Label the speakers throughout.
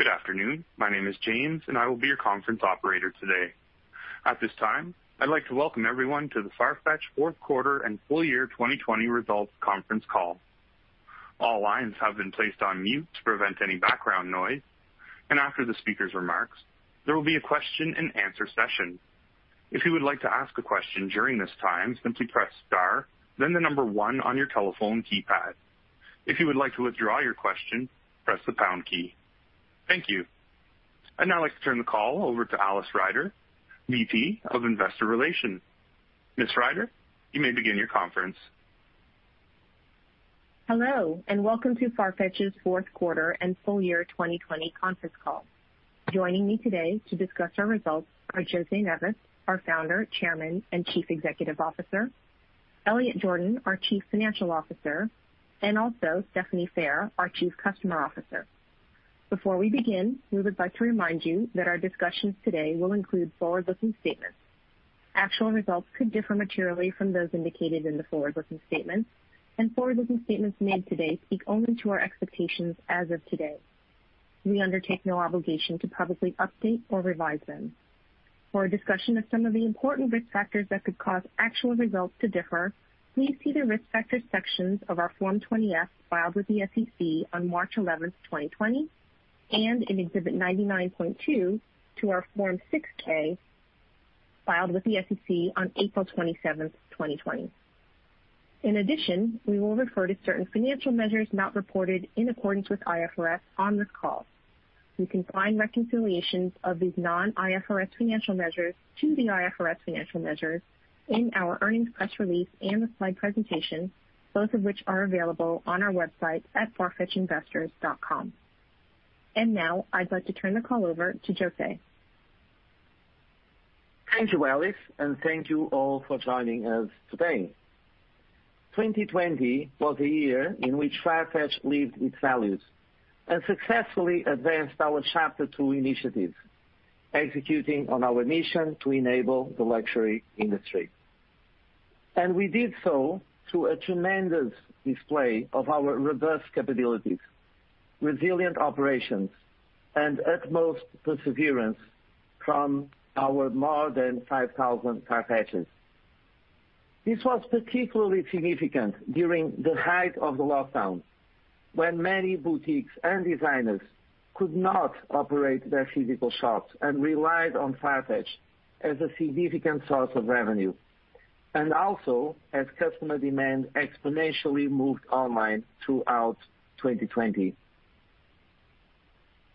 Speaker 1: Good afternoon. My name is James. I will be your conference operator today. At this time, I'd like to welcome everyone to the Farfetch Fourth Quarter and Full Year 2020 Results Conference Call. All lines have been placed on mute to prevent any background noise. After the speaker's remarks, there will be a question and answer session. If you would like to ask a question during this time, simply press star, the number one on your telephone keypad. If you would like to withdraw your question, press the pound key. Thank you. I'd now like to turn the call over to Alice Ryder, VP of Investor Relations. Ms. Ryder, you may begin your conference.
Speaker 2: Hello, welcome to Farfetch's Fourth Quarter and Full Year 2020 Conference Call. Joining me today to discuss our results are José Neves, our Founder, Chairman, and Chief Executive Officer, Elliot Jordan, our Chief Financial Officer, and also Stephanie Phair, our Chief Customer Officer. Before we begin, we would like to remind you that our discussions today will include forward-looking statements. Actual results could differ materially from those indicated in the forward-looking statements, and forward-looking statements made today speak only to our expectations as of today. We undertake no obligation to publicly update or revise them. For a discussion of some of the important risk factors that could cause actual results to differ, please see the risk factors sections of our Form 20-F filed with the SEC on March 11th, 2020, and in Exhibit 99.2 to our Form 6-K filed with the SEC on April 27th, 2020. In addition, we will refer to certain financial measures not reported in accordance with IFRS on this call. You can find reconciliations of these non-IFRS financial measures to the IFRS financial measures in our earnings press release and the slide presentation, both of which are available on our website at farfetchinvestors.com. Now I'd like to turn the call over to José.
Speaker 3: Thank you, Alice, and thank you all for joining us today. 2020 was a year in which Farfetch lived its values and successfully advanced our Chapter Two initiatives, executing on our mission to enable the luxury industry. We did so through a tremendous display of our robust capabilities, resilient operations, and utmost perseverance from our more than 5,000 Farfetchers. This was particularly significant during the height of the lockdowns, when many boutiques and designers could not operate their physical shops and relied on Farfetch as a significant source of revenue, and also as customer demand exponentially moved online throughout 2020.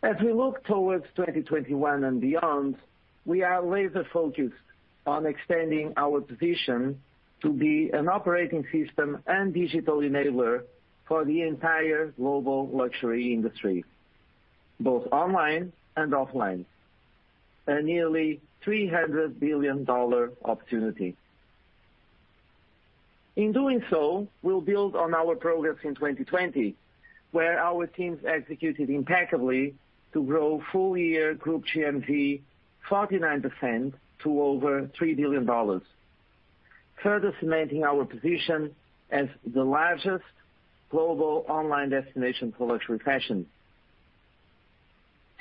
Speaker 3: As we look towards 2021 and beyond, we are laser-focused on extending our position to be an operating system and digital enabler for the entire global luxury industry, both online and offline, a nearly $300 billion opportunity. In doing so, we'll build on our progress in 2020, where our teams executed impeccably to grow full year group GMV 49% to over $3 billion, further cementing our position as the largest global online destination for luxury fashion.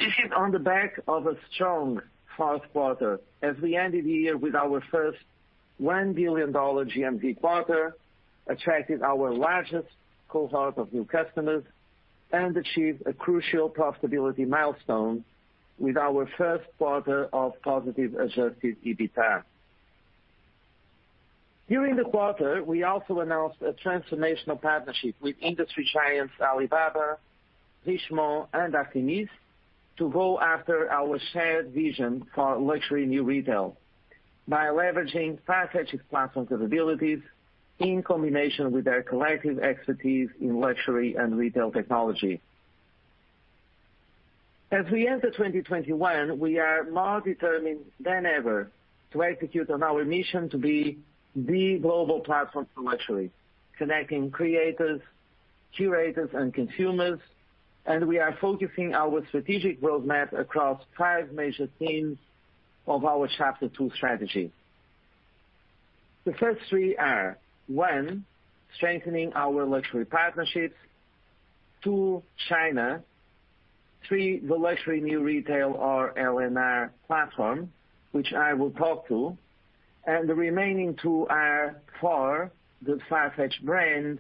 Speaker 3: This is on the back of a strong fourth quarter as we ended the year with our first $1 billion GMV quarter, attracted our largest cohort of new customers, and achieved a crucial profitability milestone with our first quarter of positive adjusted EBITDA. During the quarter, we also announced a transformational partnership with industry giants Alibaba, Richemont, and Artémis to go after our shared vision for Luxury New Retail by leveraging Farfetch's platform capabilities in combination with their collective expertise in luxury and retail technology. As we enter 2021, we are more determined than ever to execute on our mission to be the global platform for luxury, connecting creators, curators, and consumers. We are focusing our strategic roadmap across five major themes of our Chapter Two strategy. The first three are: One, strengthening our luxury partnerships; two, China; three, the Luxury New Retail or LNR platform, which I will talk to. The remaining two are: Four, the Farfetch brand;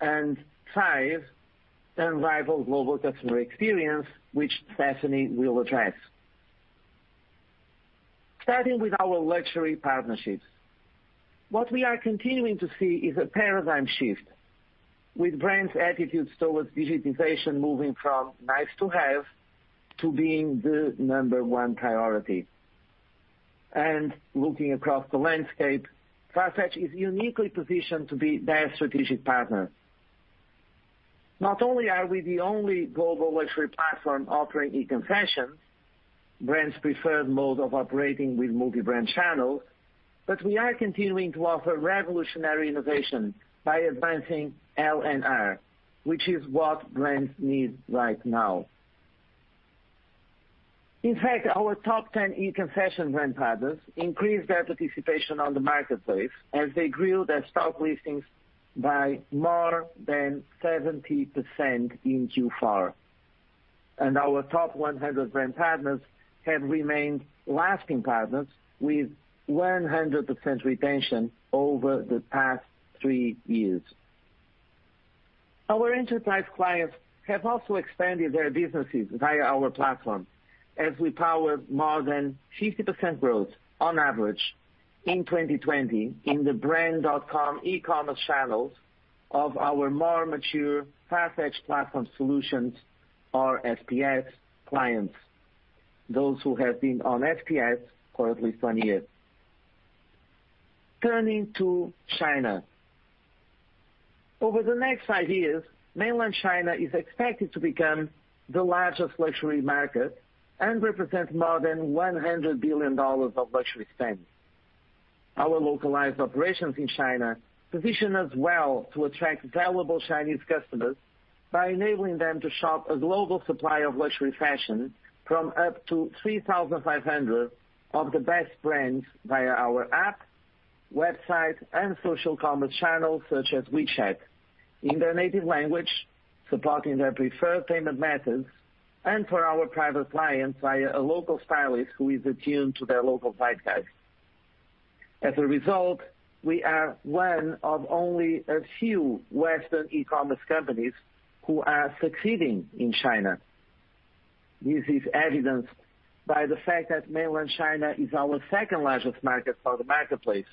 Speaker 3: and five, the unrivaled global customer experience, which Stephanie will address. Starting with our luxury partnerships. What we are continuing to see is a paradigm shift, with brands' attitudes towards digitization moving from nice to have to being the number one priority. Looking across the landscape, Farfetch is uniquely positioned to be their strategic partner. Not only are we the only global luxury platform offering e-concessions, brands' preferred mode of operating with multi-brand channels, but we are continuing to offer revolutionary innovation by advancing LNR, which is what brands need right now. In fact, our top 10 e-concessions brand partners increased their participation on the marketplace as they grew their stock listings by more than 70% in Q4. Our top 100 brand partners have remained lasting partners with 100% retention over the past three years. Our enterprise clients have also expanded their businesses via our platform, as we powered more than 50% growth on average in 2020 in the brand.com e-commerce channels of our more mature Farfetch Platform Solutions, or FPS, clients, those who have been on FPS for at least one year. Turning to China. Over the next five years, mainland China is expected to become the largest luxury market and represent more than $100 billion of luxury spend. Our localized operations in China position us well to attract valuable Chinese customers by enabling them to shop a global supply of luxury fashion from up to 3,500 of the best brands via our app, website, and social commerce channels such as WeChat, in their native language, supporting their preferred payment methods, and for our private clients, via a local stylist who is attuned to their local lifestyle. As a result, we are one of only a few Western e-commerce companies who are succeeding in China. This is evidenced by the fact that mainland China is our second largest market for the marketplace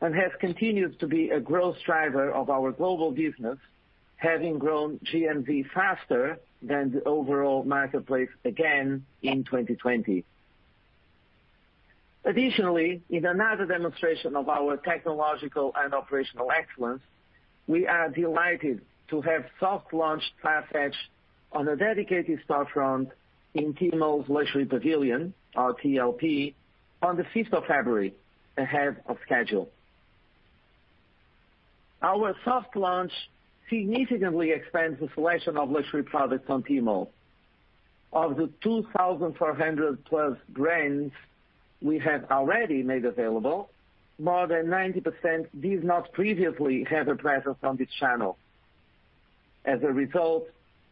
Speaker 3: and has continued to be a growth driver of our global business, having grown GMV faster than the overall marketplace again in 2020. Additionally, in another demonstration of our technological and operational excellence, we are delighted to have soft launched Farfetch on a dedicated storefront in Tmall Luxury Pavilion, or TLP, on the 5th of February, ahead of schedule. Our soft launch significantly expands the selection of luxury products on Tmall. Of the 2,400+ brands we have already made available, more than 90% did not previously have a presence on this channel. As a result,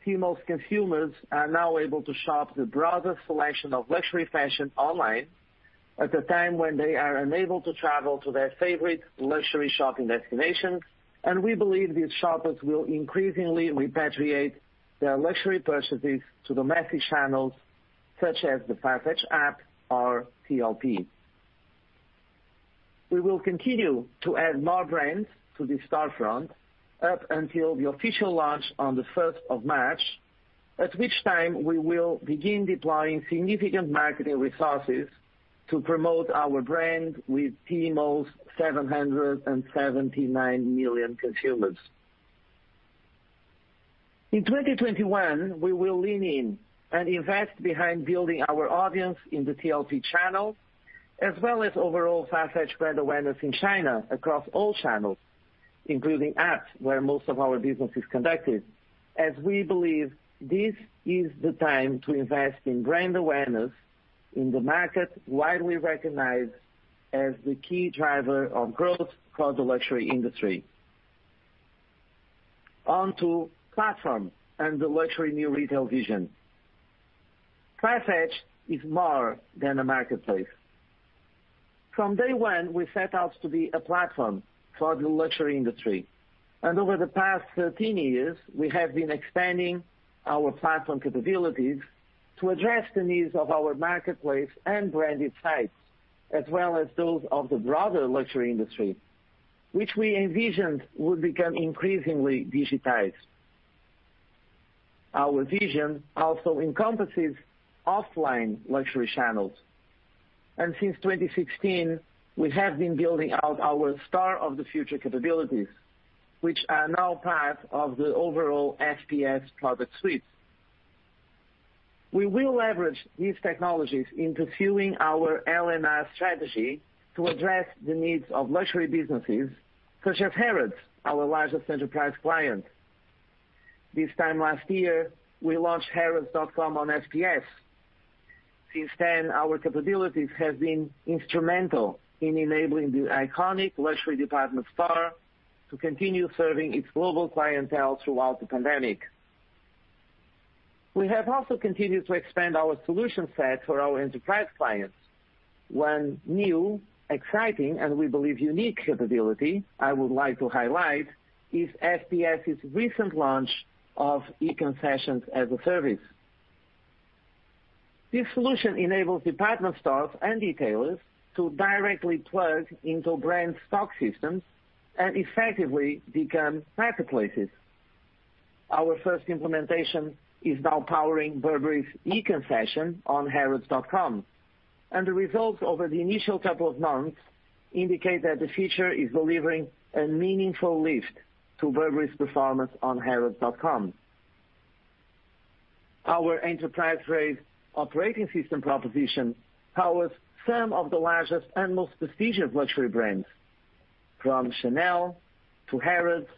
Speaker 3: Tmall's consumers are now able to shop the broadest selection of luxury fashion online at a time when they are unable to travel to their favorite luxury shopping destinations, and we believe these shoppers will increasingly repatriate their luxury purchases to domestic channels, such as the Farfetch app or TLP. We will continue to add more brands to this storefront up until the official launch on the 1st of March, at which time we will begin deploying significant marketing resources to promote our brand with Tmall's 779 million consumers. In 2021, we will lean in and invest behind building our audience in the TLP channel, as well as overall Farfetch brand awareness in China across all channels, including apps, where most of our business is conducted, as we believe this is the time to invest in brand awareness in the market widely recognized as the key driver of growth for the luxury industry. Onto platform and the Luxury New Retail vision. Farfetch is more than a marketplace. From day one, we set out to be a platform for the luxury industry, and over the past 13 years, we have been expanding our platform capabilities to address the needs of our marketplace and branded sites, as well as those of the broader luxury industry, which we envisioned would become increasingly digitized. Our vision also encompasses offline luxury channels, and since 2016, we have been building out our Store of the Future capabilities, which are now part of the overall FPS product suite. We will leverage these technologies in pursuing our LNR strategy to address the needs of luxury businesses such as Harrods, our largest enterprise client. This time last year, we launched harrods.com on FPS. Since then, our capabilities have been instrumental in enabling the iconic luxury department store to continue serving its global clientele throughout the pandemic. We have also continued to expand our solution set for our enterprise clients. One new, exciting, and we believe, unique capability I would like to highlight is FPS's recent launch of e-concessions-as-a-service. This solution enables department stores and retailers to directly plug into brand stock systems and effectively become marketplaces. Our first implementation is now powering Burberry's e-concession on harrods.com, and the results over the initial couple of months indicate that the feature is delivering a meaningful lift to Burberry's performance on harrods.com. Our enterprise-grade operating system proposition powers some of the largest and most prestigious luxury brands. From Chanel to Harrods,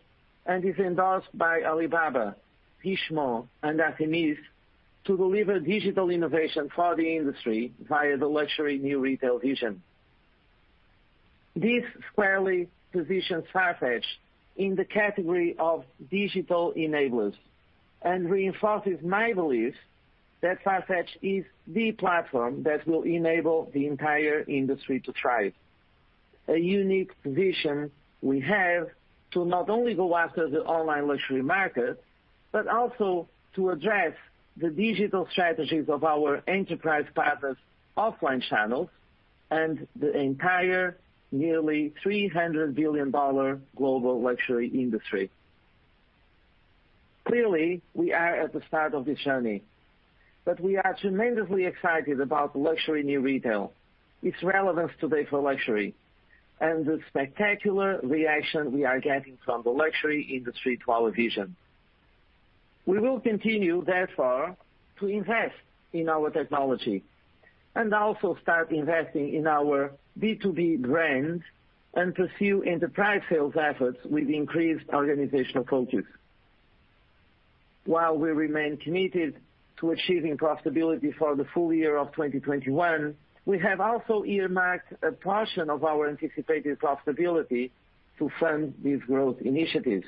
Speaker 3: and is endorsed by Alibaba, Richemont, and Artémis to deliver digital innovation for the industry via the Luxury New Retail vision. This squarely positions Farfetch in the category of digital enablers and reinforces my belief that Farfetch is the platform that will enable the entire industry to thrive. A unique position we have to not only go after the online luxury market, but also to address the digital strategies of our enterprise partners' offline channels and the entire nearly $300 billion global luxury industry. Clearly, we are at the start of this journey, but we are tremendously excited about Luxury New Retail, its relevance today for luxury, and the spectacular reaction we are getting from the luxury industry to our vision. We will continue, therefore, to invest in our technology and also start investing in our B2B brand and pursue enterprise sales efforts with increased organizational focus. While we remain committed to achieving profitability for the full year of 2021, we have also earmarked a portion of our anticipated profitability to fund these growth initiatives.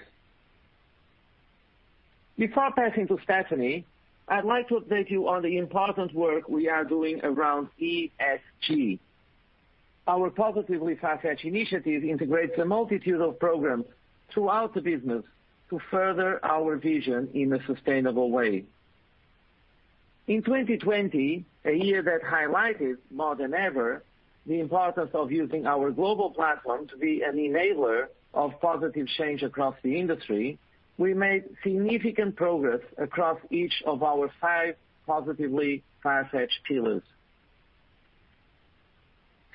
Speaker 3: Before passing to Stephanie, I'd like to update you on the important work we are doing around ESG. Our Positively Farfetch initiative integrates a multitude of programs throughout the business to further our vision in a sustainable way. In 2020, a year that highlighted more than ever the importance of using our global platform to be an enabler of positive change across the industry, we made significant progress across each of our five Positively Farfetch pillars.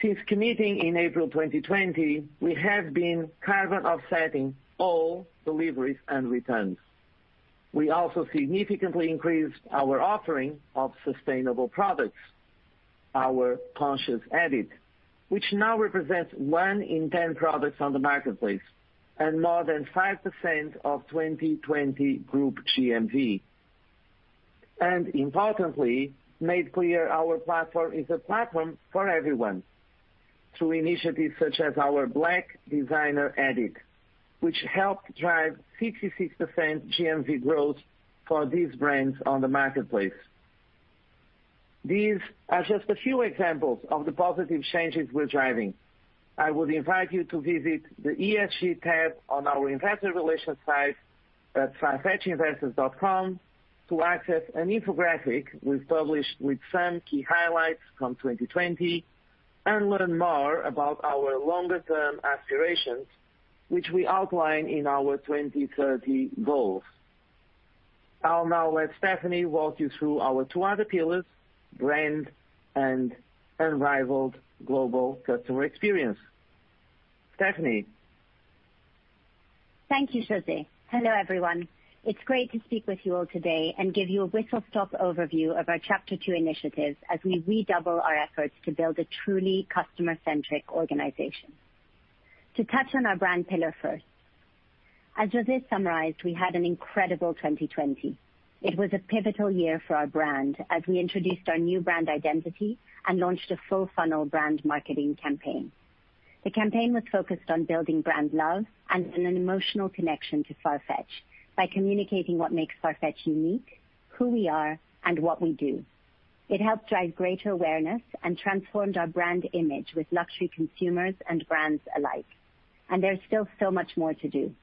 Speaker 3: Since committing in April 2020, we have been carbon offsetting all deliveries and returns. We also significantly increased our offering of sustainable products, our Conscious Edit, which now represents one in 10 products on the marketplace and more than 5% of 2020 group GMV. Importantly, made clear our platform is a platform for everyone through initiatives such as our Black designers edit, which helped drive 66% GMV growth for these brands on the marketplace. These are just a few examples of the positive changes we're driving. I would invite you to visit the ESG tab on our investor relations site at farfetchinvestors.com to access an infographic we've published with some key highlights from 2020 and learn more about our longer term aspirations, which we outline in our 2030 goals. I'll now let Stephanie walk you through our two other pillars, brand and unrivaled global customer experience. Stephanie.
Speaker 4: Thank you, José. Hello, everyone. It's great to speak with you all today and give you a whistle-stop overview of our Chapter Two initiatives as we redouble our efforts to build a truly customer-centric organization. To touch on our brand pillar first. As José summarized, we had an incredible 2020. It was a pivotal year for our brand as we introduced our new brand identity and launched a full-funnel brand marketing campaign. The campaign was focused on building brand love and an emotional connection to Farfetch by communicating what makes Farfetch unique, who we are, and what we do. It helped drive greater awareness and transformed our brand image with luxury consumers and brands alike. There's still so much more to do.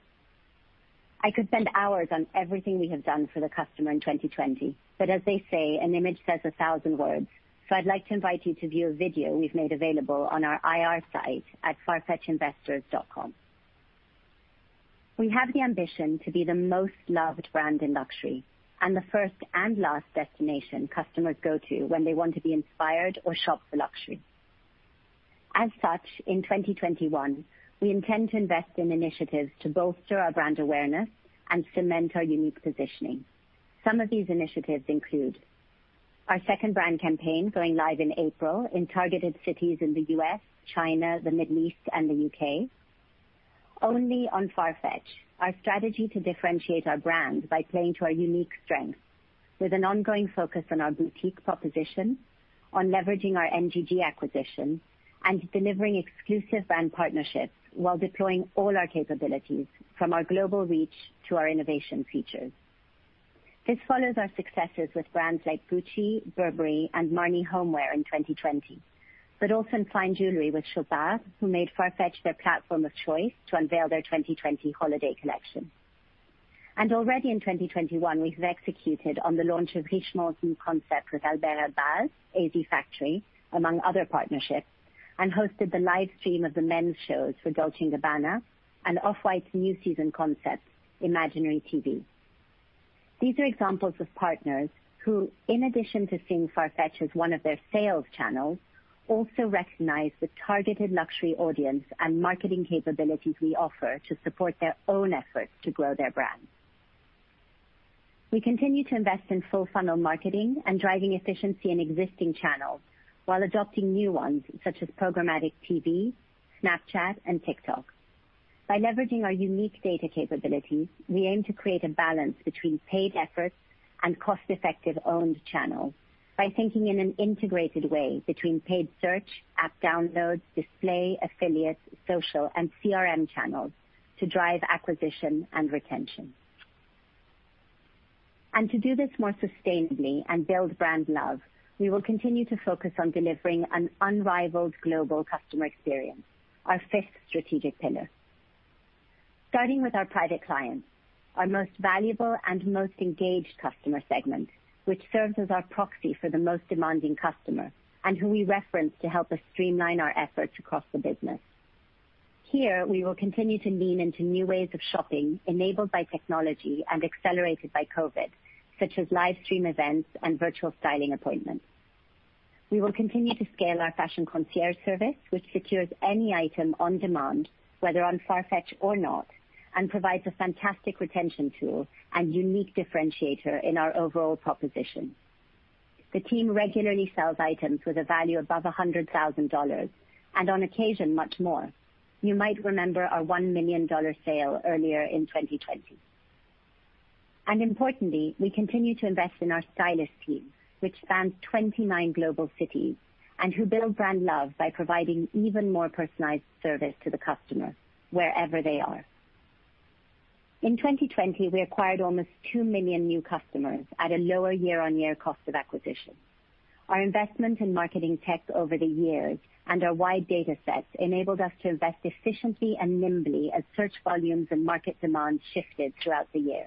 Speaker 4: I could spend hours on everything we have done for the customer in 2020, but as they say, an image says 1,000 words. I'd like to invite you to view a video we've made available on our IR site at farfetchinvestors.com. We have the ambition to be the most loved brand in luxury and the first and last destination customers go to when they want to be inspired or shop for luxury. As such, in 2021, we intend to invest in initiatives to bolster our brand awareness and cement our unique positioning. Some of these initiatives include our second brand campaign going live in April in targeted cities in the U.S., China, the Middle East, and the U.K. Only on Farfetch, our strategy to differentiate our brand by playing to our unique strengths with an ongoing focus on our boutique proposition, on leveraging our NGG acquisition, and delivering exclusive brand partnerships while deploying all our capabilities from our global reach to our innovation features. This follows our successes with brands like Gucci, Burberry, and Marni Homeware in 2020, but also in fine jewelry with Chopard, who made Farfetch their platform of choice to unveil their 2020 holiday collection. Already in 2021, we've executed on the launch of Richemont's new concept with Alber Elbaz, AZ Factory, among other partnerships, and hosted the live stream of the men's shows for Dolce & Gabbana and Off-White's new season concept, Imaginary TV. These are examples of partners who, in addition to seeing Farfetch as one of their sales channels, also recognize the targeted luxury audience and marketing capabilities we offer to support their own efforts to grow their brands. We continue to invest in full-funnel marketing and driving efficiency in existing channels while adopting new ones, such as programmatic TV, Snapchat, and TikTok. By leveraging our unique data capabilities, we aim to create a balance between paid efforts and cost-effective owned channels by thinking in an integrated way between paid search, app downloads, display, affiliate, social, and CRM channels to drive acquisition and retention. To do this more sustainably and build brand love, we will continue to focus on delivering an unrivaled global customer experience, our fifth strategic pillar. Starting with our private clients, our most valuable and most engaged customer segment, which serves as our proxy for the most demanding customer, and who we reference to help us streamline our efforts across the business. Here, we will continue to lean into new ways of shopping enabled by technology and accelerated by COVID, such as live stream events and virtual styling appointments. We will continue to scale our Fashion Concierge service, which secures any item on demand, whether on Farfetch or not, and provides a fantastic retention tool and unique differentiator in our overall proposition. The team regularly sells items with a value above $100,000, and on occasion, much more. You might remember our $1 million sale earlier in 2020. Importantly, we continue to invest in our stylist team, which spans 29 global cities, and who build brand love by providing even more personalized service to the customer wherever they are. In 2020, we acquired almost two million new customers at a lower year-on-year cost of acquisition. Our investment in marketing tech over the years and our wide data sets enabled us to invest efficiently and nimbly as search volumes and market demand shifted throughout the year.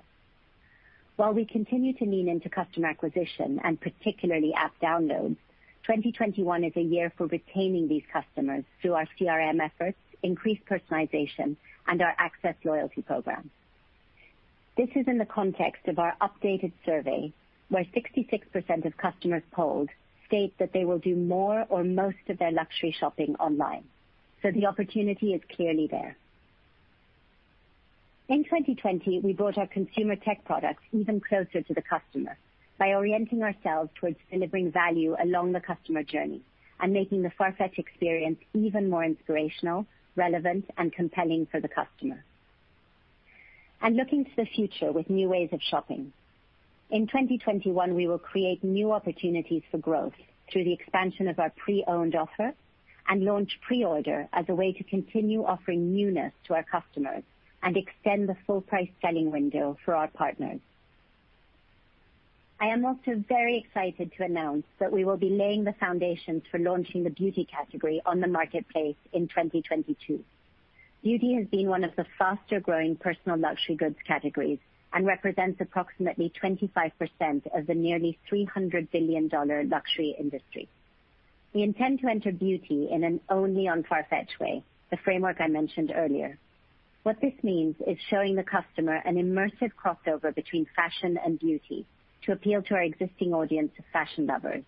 Speaker 4: While we continue to lean into customer acquisition and particularly app downloads, 2021 is a year for retaining these customers through our CRM efforts, increased personalization, and our Access loyalty programme. This is in the context of our updated survey, where 66% of customers polled state that they will do more or most of their luxury shopping online. The opportunity is clearly there. In 2020, we brought our consumer tech products even closer to the customer by orienting ourselves towards delivering value along the customer journey and making the Farfetch experience even more inspirational, relevant, and compelling for the customer, looking to the future with new ways of shopping. In 2021, we will create new opportunities for growth through the expansion of our pre-owned offer and launch pre-order as a way to continue offering newness to our customers and extend the full-price selling window for our partners. I am also very excited to announce that we will be laying the foundations for launching the beauty category on the marketplace in 2022. Beauty has been one of the faster-growing personal luxury goods categories and represents approximately 25% of the nearly $300 billion luxury industry. We intend to enter beauty in an Only on Farfetch way, the framework I mentioned earlier. What this means is showing the customer an immersive crossover between fashion and beauty to appeal to our existing audience of fashion lovers.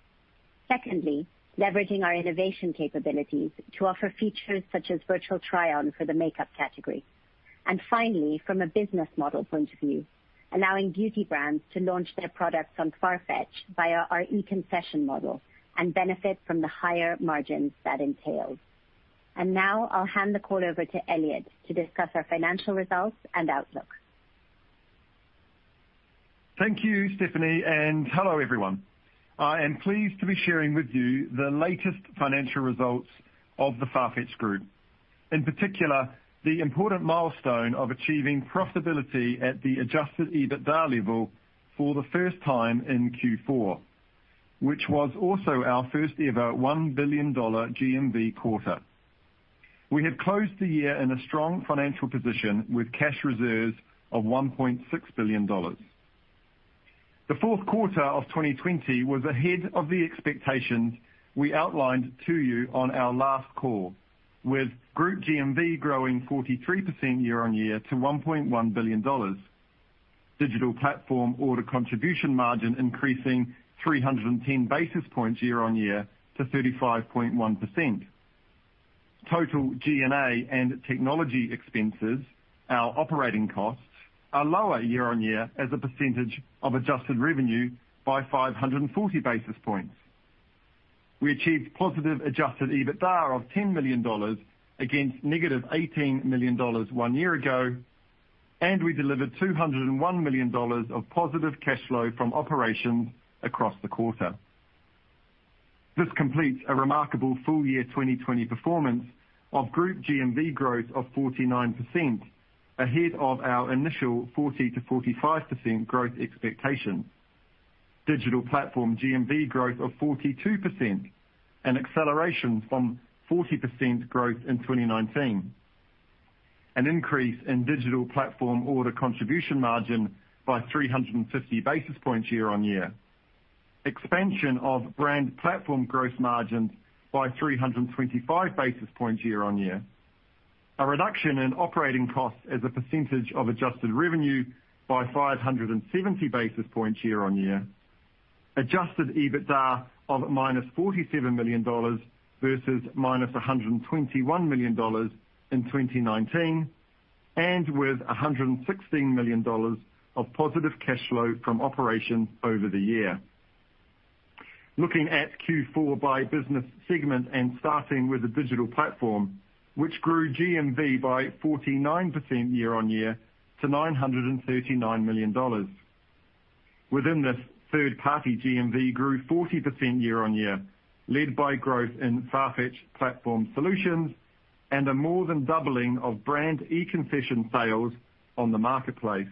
Speaker 4: Secondly, leveraging our innovation capabilities to offer features such as virtual try-on for the makeup category. Finally, from a business model point of view, allowing beauty brands to launch their products on Farfetch via our e-concession model and benefit from the higher margins that entails. Now I'll hand the call over to Elliot to discuss our financial results and outlook.
Speaker 5: Thank you, Stephanie, and hello, everyone. I am pleased to be sharing with you the latest financial results of the Farfetch group. In particular, the important milestone of achieving profitability at the adjusted EBITDA level for the first time in Q4, which was also our first-ever $1 billion GMV quarter. We have closed the year in a strong financial position with cash reserves of $1.6 billion. The fourth quarter of 2020 was ahead of the expectations we outlined to you on our last call, with group GMV growing 43% year-on-year to $1.1 billion. Digital Platform Order Contribution Margin increasing 310 basis points year-on-year to 35.1%. Total G&A and technology expenses, our operating costs, are lower year-on-year as a percentage of adjusted revenue by 540 basis points. We achieved positive adjusted EBITDA of $10 million against -$18 million one year ago. We delivered $201 million of positive cash flow from operations across the quarter. This completes a remarkable full year 2020 performance of group GMV growth of 49%, ahead of our initial 40%-45% growth expectations. Digital Platform GMV growth of 42%, an acceleration from 40% growth in 2019. An increase in Digital Platform Order Contribution Margin by 350 basis points year-on-year. Expansion of Brand Platform gross margins by 325 basis points year-on-year. A reduction in operating costs as a percentage of adjusted revenue by 570 basis points year-on-year. Adjusted EBITDA of -$47 million versus -$121 million in 2019, with $116 million of positive cash flow from operations over the year. Looking at Q4 by business segment, starting with the Digital Platform, which grew GMV by 49% year-on-year to $939 million. Within this, third-party GMV grew 40% year-on-year, led by growth in Farfetch Platform Solutions and a more than doubling of brand e-concession sales on the marketplace.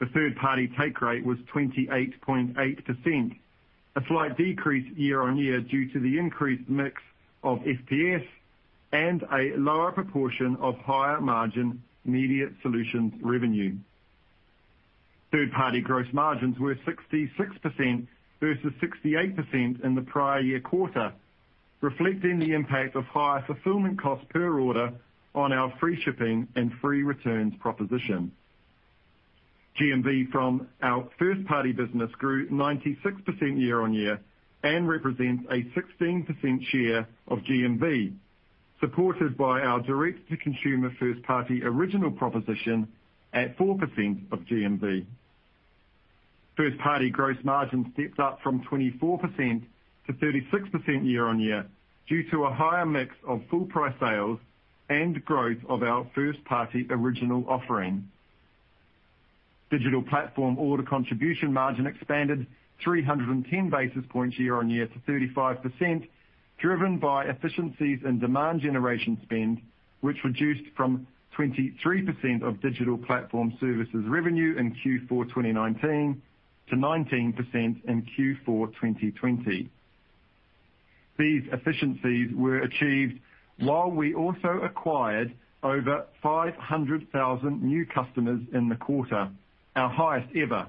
Speaker 5: The third-party take rate was 28.8%, a slight decrease year-on-year due to the increased mix of FPS and a lower proportion of higher margin media solutions revenue. Third-party gross margins were 66% versus 68% in the prior year quarter, reflecting the impact of higher fulfillment costs per order on our free shipping and free returns proposition. GMV from our first-party business grew 96% year-on-year and represents a 16% share of GMV, supported by our direct-to-consumer first-party original proposition at 4% of GMV. First-party gross margin stepped up from 24% to 36% year-on-year due to a higher mix of full price sales and growth of our first-party original offering. Digital Platform Order Contribution Margin expanded 310 basis points year-on-year to 35%, driven by efficiencies in demand generation spend, which reduced from 23% of Digital Platform services revenue in Q4 2019 to 19% in Q4 2020. These efficiencies were achieved while we also acquired over 500,000 new customers in the quarter, our highest ever,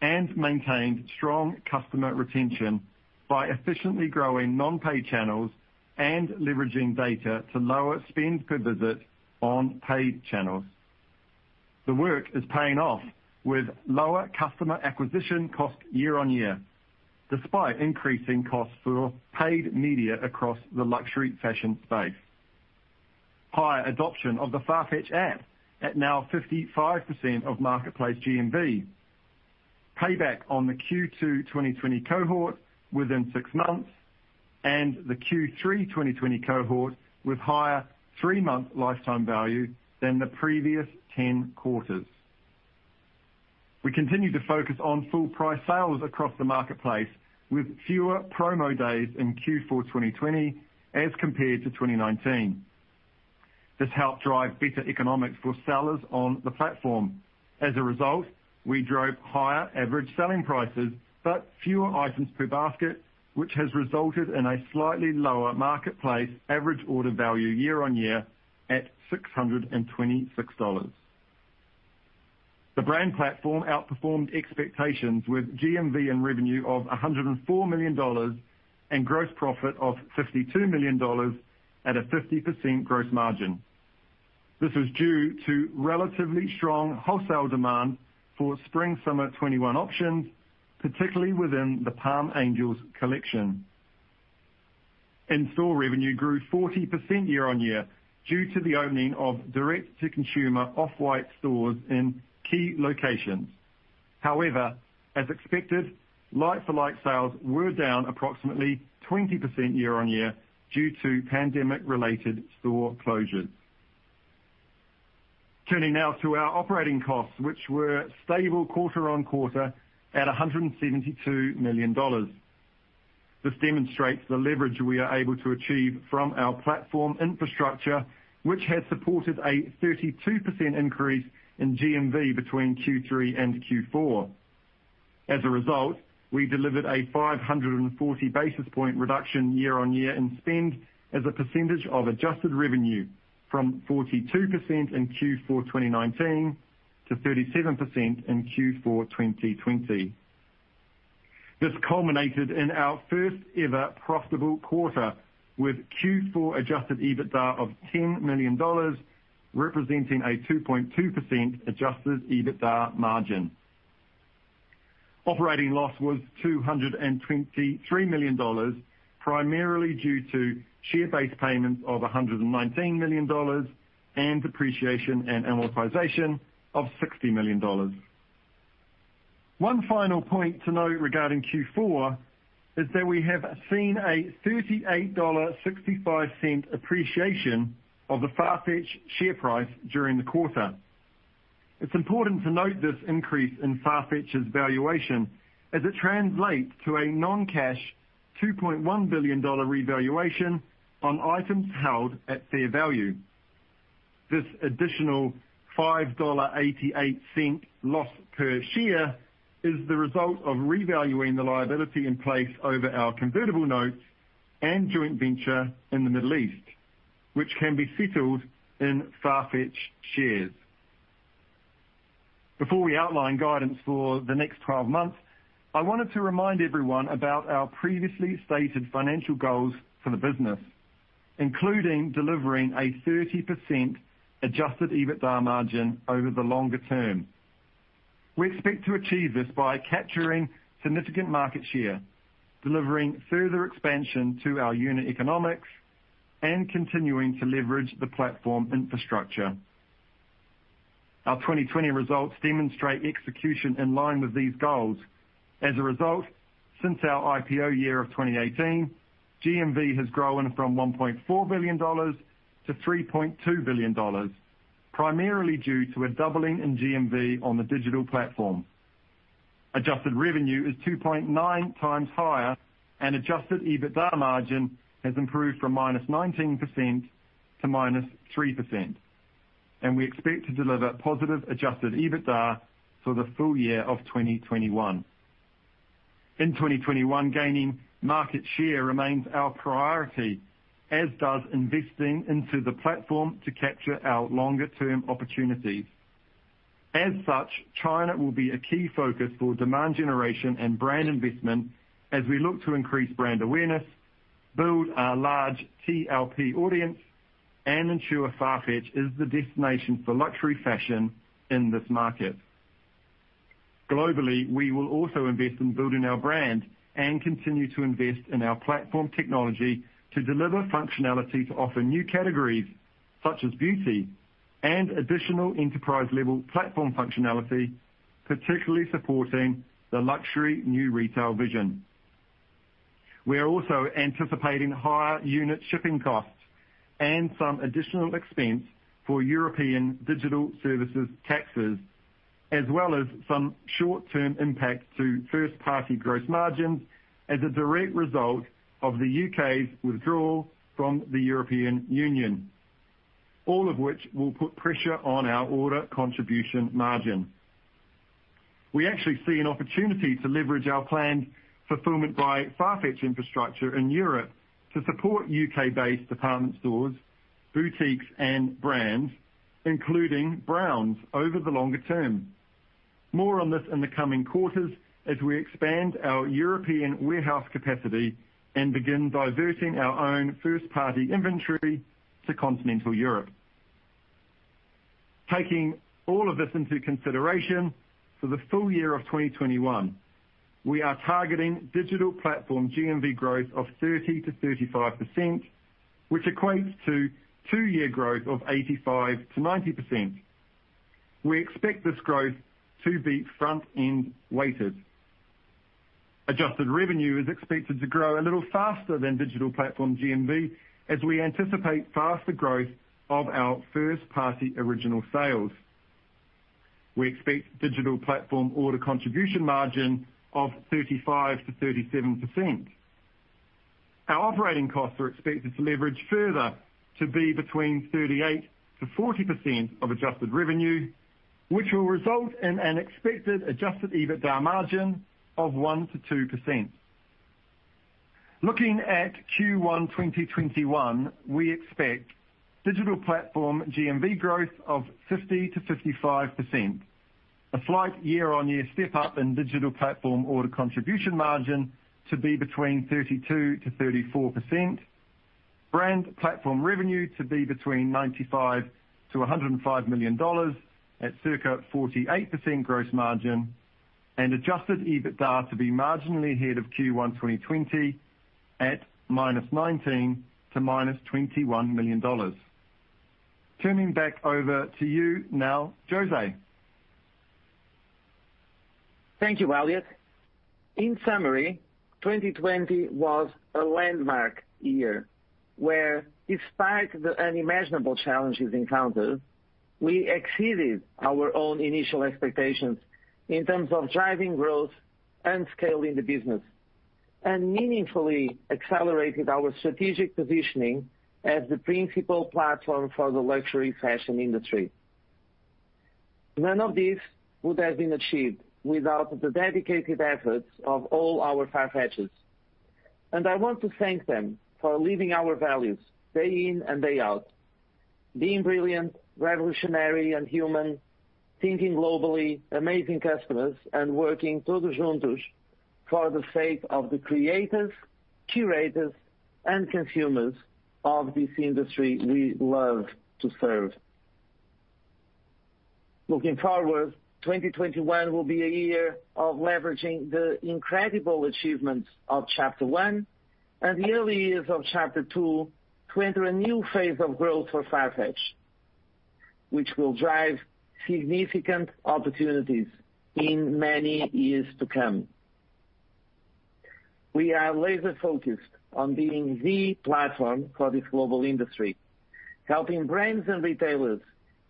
Speaker 5: and maintained strong customer retention by efficiently growing non-pay channels and leveraging data to lower spend per visit on paid channels. The work is paying off with lower customer acquisition cost year-on-year, despite increasing costs for paid media across the luxury fashion space. Higher adoption of the Farfetch app at now 55% of marketplace GMV. Payback on the Q2 2020 cohort within six months, and the Q3 2020 cohort with higher three-month lifetime value than the previous 10 quarters. We continue to focus on full price sales across the marketplace with fewer promo days in Q4 2020 as compared to 2019. This helped drive better economics for sellers on the platform. As a result, we drove higher average selling prices but fewer items per basket, which has resulted in a slightly lower marketplace average order value year-on-year at $626. The Brand Platform outperformed expectations with GMV and revenue of $104 million and gross profit of $52 million at a 50% gross margin. This was due to relatively strong wholesale demand for Spring/Summer 2021 options, particularly within the Palm Angels collection. In-Store revenue grew 40% year-on-year due to the opening of direct-to-consumer Off-White stores in key locations. However, as expected, like-for-like sales were down approximately 20% year-on-year due to pandemic-related store closures. Turning now to our operating costs, which were stable quarter-on-quarter at $172 million. This demonstrates the leverage we are able to achieve from our platform infrastructure, which has supported a 32% increase in GMV between Q3 and Q4. As a result, we delivered a 540 basis point reduction year-on-year in spend as a percentage of adjusted revenue from 42% in Q4 2019 to 37% in Q4 2020. This culminated in our first ever profitable quarter with Q4 adjusted EBITDA of $10 million, representing a 2.2% adjusted EBITDA margin. Operating loss was $223 million, primarily due to share-based payments of $119 million and depreciation and amortization of $60 million. One final point to note regarding Q4 is that we have seen a $38.65 appreciation of the Farfetch share price during the quarter. It's important to note this increase in Farfetch's valuation as it translates to a non-cash $2.1 billion revaluation on items held at fair value. This additional $5.88 loss per share is the result of revaluing the liability in place over our convertible notes and joint venture in the Middle East, which can be settled in Farfetch shares. Before we outline guidance for the next 12 months, I wanted to remind everyone about our previously stated financial goals for the business, including delivering a 30% adjusted EBITDA margin over the longer term. We expect to achieve this by capturing significant market share, delivering further expansion to our unit economics, and continuing to leverage the platform infrastructure. Our 2020 results demonstrate execution in line with these goals. As a result, since our IPO year of 2018, GMV has grown from $1.4 billion to $3.2 billion, primarily due to a doubling in GMV on the Digital Platform. Adjusted revenue is 2.9x higher, and adjusted EBITDA margin has improved from -19% to -3%. We expect to deliver positive adjusted EBITDA for the full year of 2021. In 2021, gaining market share remains our priority, as does investing into the platform to capture our longer term opportunities. As such, China will be a key focus for demand generation and brand investment as we look to increase brand awareness, build our large TLP audience, and ensure Farfetch is the destination for luxury fashion in this market. Globally, we will also invest in building our brand and continue to invest in our platform technology to deliver functionality to offer new categories such as beauty and additional enterprise-level platform functionality, particularly supporting the Luxury New Retail vision. We are also anticipating higher unit shipping costs and some additional expense for European digital services taxes, as well as some short-term impacts to first-party gross margins as a direct result of the U.K.'s withdrawal from the European Union. All of which will put pressure on our order contribution margin. We actually see an opportunity to leverage our planned Fulfillment by Farfetch infrastructure in Europe to support U.K.-based department stores, boutiques, and brands, including Browns over the longer term. More on this in the coming quarters as we expand our European warehouse capacity and begin diverting our own first-party inventory to continental Europe. Taking all of this into consideration, for the full year of 2021, we are targeting Digital Platform GMV growth of 30%-35%, which equates to two-year growth of 85%-90%. We expect this growth to be front-end weighted. Adjusted revenue is expected to grow a little faster than Digital Platform GMV, as we anticipate faster growth of our first-party original sales. We expect Digital Platform Order Contribution Margin of 35%-37%. Our operating costs are expected to leverage further, to be between 38%-40% of adjusted revenue, which will result in an expected adjusted EBITDA margin of 1%-2%. Looking at Q1 2021, we expect Digital Platform GMV growth of 50%-55%. A slight year-on-year step up in Digital Platform Order Contribution Margin to be between 32%-34%. Brand Platform revenue to be between $95 million-$105 million at circa 48% gross margin, and adjusted EBITDA to be marginally ahead of Q1 2020 at -$19 million to -$21 million. Turning back over to you now, José.
Speaker 3: Thank you, Elliot. In summary, 2020 was a landmark year where, despite the unimaginable challenges encountered, we exceeded our own initial expectations in terms of driving growth and scaling the business. Meaningfully accelerated our strategic positioning as the principal platform for the luxury fashion industry. None of this would have been achieved without the dedicated efforts of all our Farfetchers, and I want to thank them for living our values day in and day out. Being brilliant, revolutionary, and human. Thinking globally, amazing customers, and working for the sake of the creators, curators, and consumers of this industry we love to serve. Looking forward, 2021 will be a year of leveraging the incredible achievements of Chapter One and the early years of Chapter Two to enter a new phase of growth for Farfetch, which will drive significant opportunities in many years to come. We are laser-focused on being the platform for this global industry, helping brands and retailers,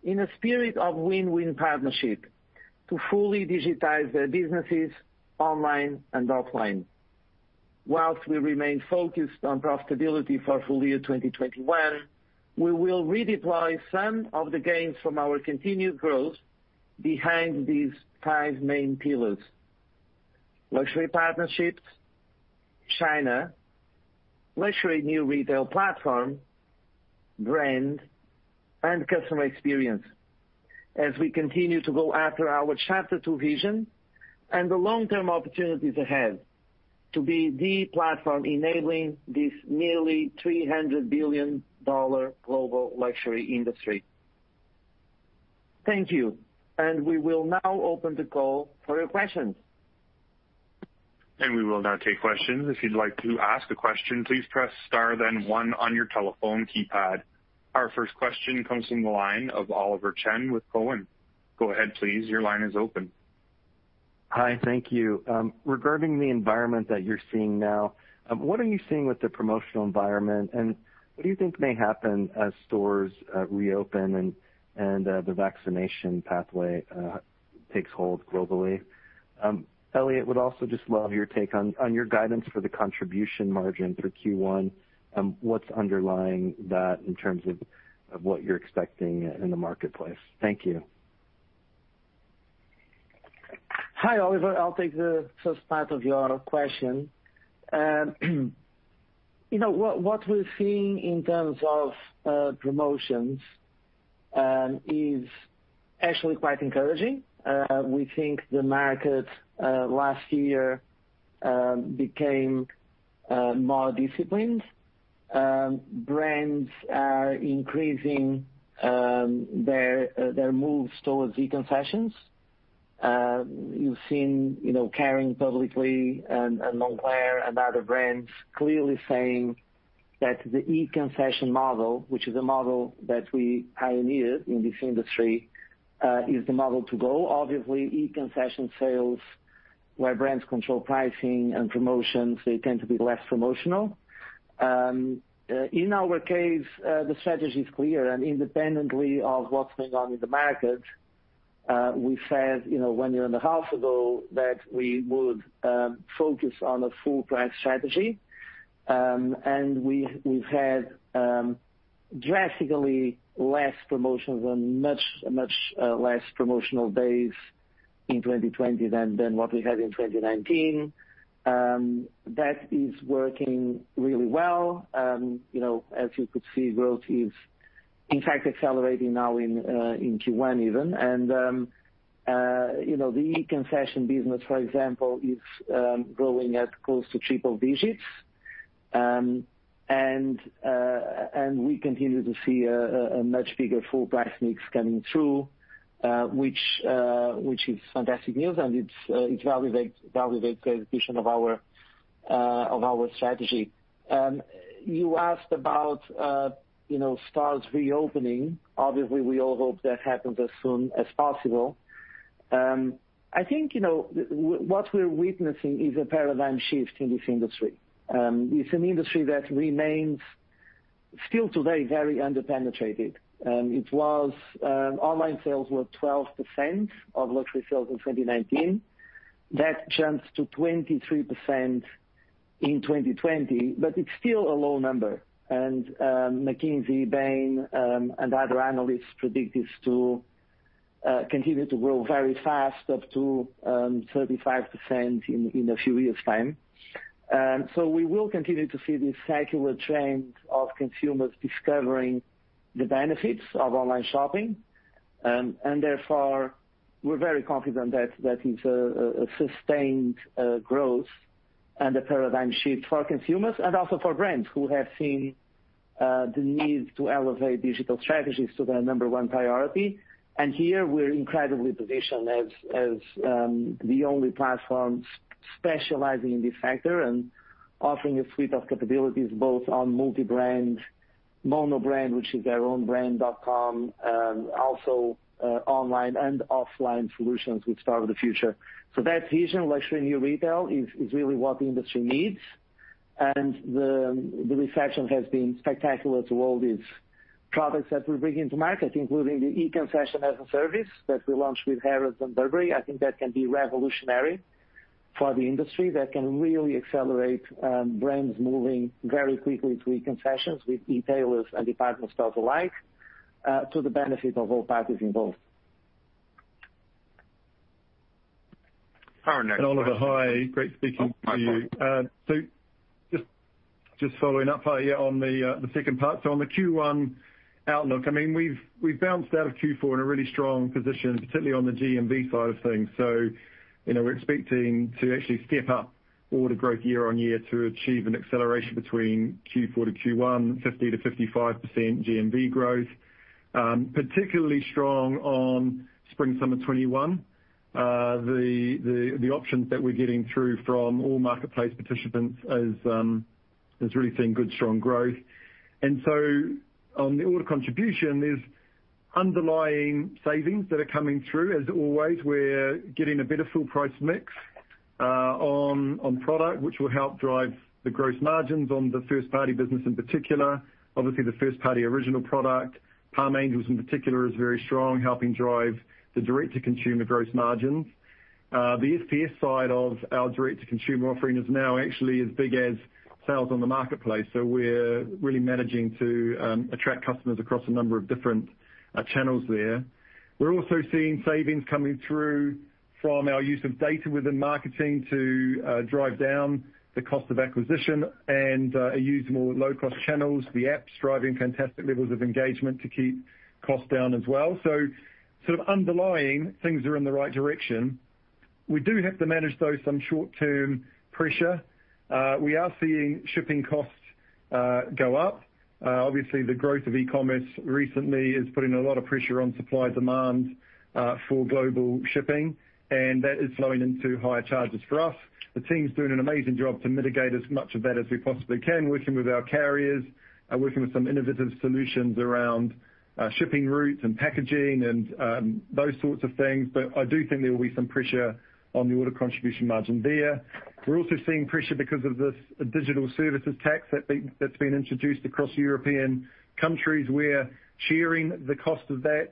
Speaker 3: in a spirit of win-win partnership, to fully digitize their businesses online and offline. While we remain focused on profitability for full year 2021, we will redeploy some of the gains from our continued growth behind these five main pillars: luxury partnerships, China, Luxury New Retail platform, brand, and customer experience. We continue to go after our Chapter Two vision and the long-term opportunities ahead to be the platform enabling this nearly $300 billion global luxury industry. Thank you, we will now open the call for your questions.
Speaker 1: We will now take questions. If you'd like to ask a question, please press star then one on your telephone keypad. Our first question comes from the line of Oliver Chen with Cowen. Go ahead, please. Your line is open.
Speaker 6: Hi. Thank you. Regarding the environment that you're seeing now, what are you seeing with the promotional environment, and what do you think may happen as stores reopen and the vaccination pathway takes hold globally? Elliot, would also just love your take on your guidance for the contribution margin for Q1. What's underlying that in terms of what you're expecting in the marketplace? Thank you.
Speaker 3: Hi, Oliver. I'll take the first part of your question. What we're seeing in terms of promotions is actually quite encouraging. We think the market, last year, became more disciplined. Brands are increasing their moves towards e-concessions. You've seen Kering publicly and Moncler and other brands clearly saying that the e-concession model, which is a model that we pioneered in this industry, is the model to go. Obviously, e-concession sales, where brands control pricing and promotions, they tend to be less promotional. In our case, the strategy is clear, independently of what's going on in the market, we said one year and a half ago that we would focus on a full price strategy. We've had drastically less promotions and much less promotional days in 2020 than what we had in 2019. That is working really well. As you could see, growth is, in fact, accelerating now in Q1 even. The e-concession business, for example, is growing at close to triple digits. We continue to see a much bigger full price mix coming through, which is fantastic news, and it validates the execution of our strategy. You asked about stores reopening. Obviously, we all hope that happens as soon as possible. I think what we're witnessing is a paradigm shift in this industry. It's an industry that remains still today very under-penetrated. Online sales were 12% of luxury sales in 2019. That jumps to 23% in 2020, but it's still a low number. McKinsey, Bain, and other analysts predict this to continue to grow very fast, up to 35% in a few years' time. We will continue to see this secular trend of consumers discovering the benefits of online shopping. Therefore, we're very confident that is a sustained growth and a paradigm shift for consumers and also for brands who have seen the need to elevate digital strategies to their number 1 priority. Here, we're incredibly positioned as the only platform specializing in this sector and offering a suite of capabilities both on multi-brand, mono-brand, which is our own brand.com, also online and offline solutions with Store of the Future. That vision, Luxury New Retail, is really what the industry needs. The reception has been spectacular to all these products that we're bringing to market, including the e-concessions-as-a-service that we launched with Harrods and Burberry. I think that can be revolutionary for the industry. That can really accelerate brands moving very quickly to e-concessions with e-tailers and department stores alike, to the benefit of all parties involved.
Speaker 1: Our next question.
Speaker 5: Oliver, hi. Great speaking to you.
Speaker 6: Hi, Elliot.
Speaker 5: Just following up here on the second part. On the Q1 outlook, we've bounced out of Q4 in a really strong position, particularly on the GMV side of things. We're expecting to actually step up order growth year-on-year to achieve an acceleration between Q4 to Q1, 50%-55% GMV growth. Particularly strong on Spring/Summer 2021. The options that we're getting through from all marketplace participants has really seen good, strong growth. On the order contribution, there's underlying savings that are coming through. As always, we're getting a better full price mix on product, which will help drive the gross margins on the first-party business in particular. Obviously, the first-party original product, Palm Angels in particular, is very strong, helping drive the direct-to-consumer gross margins. The FPS side of our direct-to-consumer offering is now actually as big as sales on the marketplace. We're really managing to attract customers across a number of different channels there. We're also seeing savings coming through from our use of data within marketing to drive down the cost of acquisition and use more low-cost channels. The app's driving fantastic levels of engagement to keep costs down as well. Underlying, things are in the right direction. We do have to manage, though, some short-term pressure. We are seeing shipping costs go up. Obviously, the growth of e-commerce recently is putting a lot of pressure on supply-demand for global shipping. That is flowing into higher charges for us. The team's doing an amazing job to mitigate as much of that as we possibly can, working with our carriers and working with some innovative solutions around shipping routes and packaging and those sorts of things. I do think there will be some pressure on the order contribution margin there. We're also seeing pressure because of this digital services tax that's been introduced across European countries. We're sharing the cost of that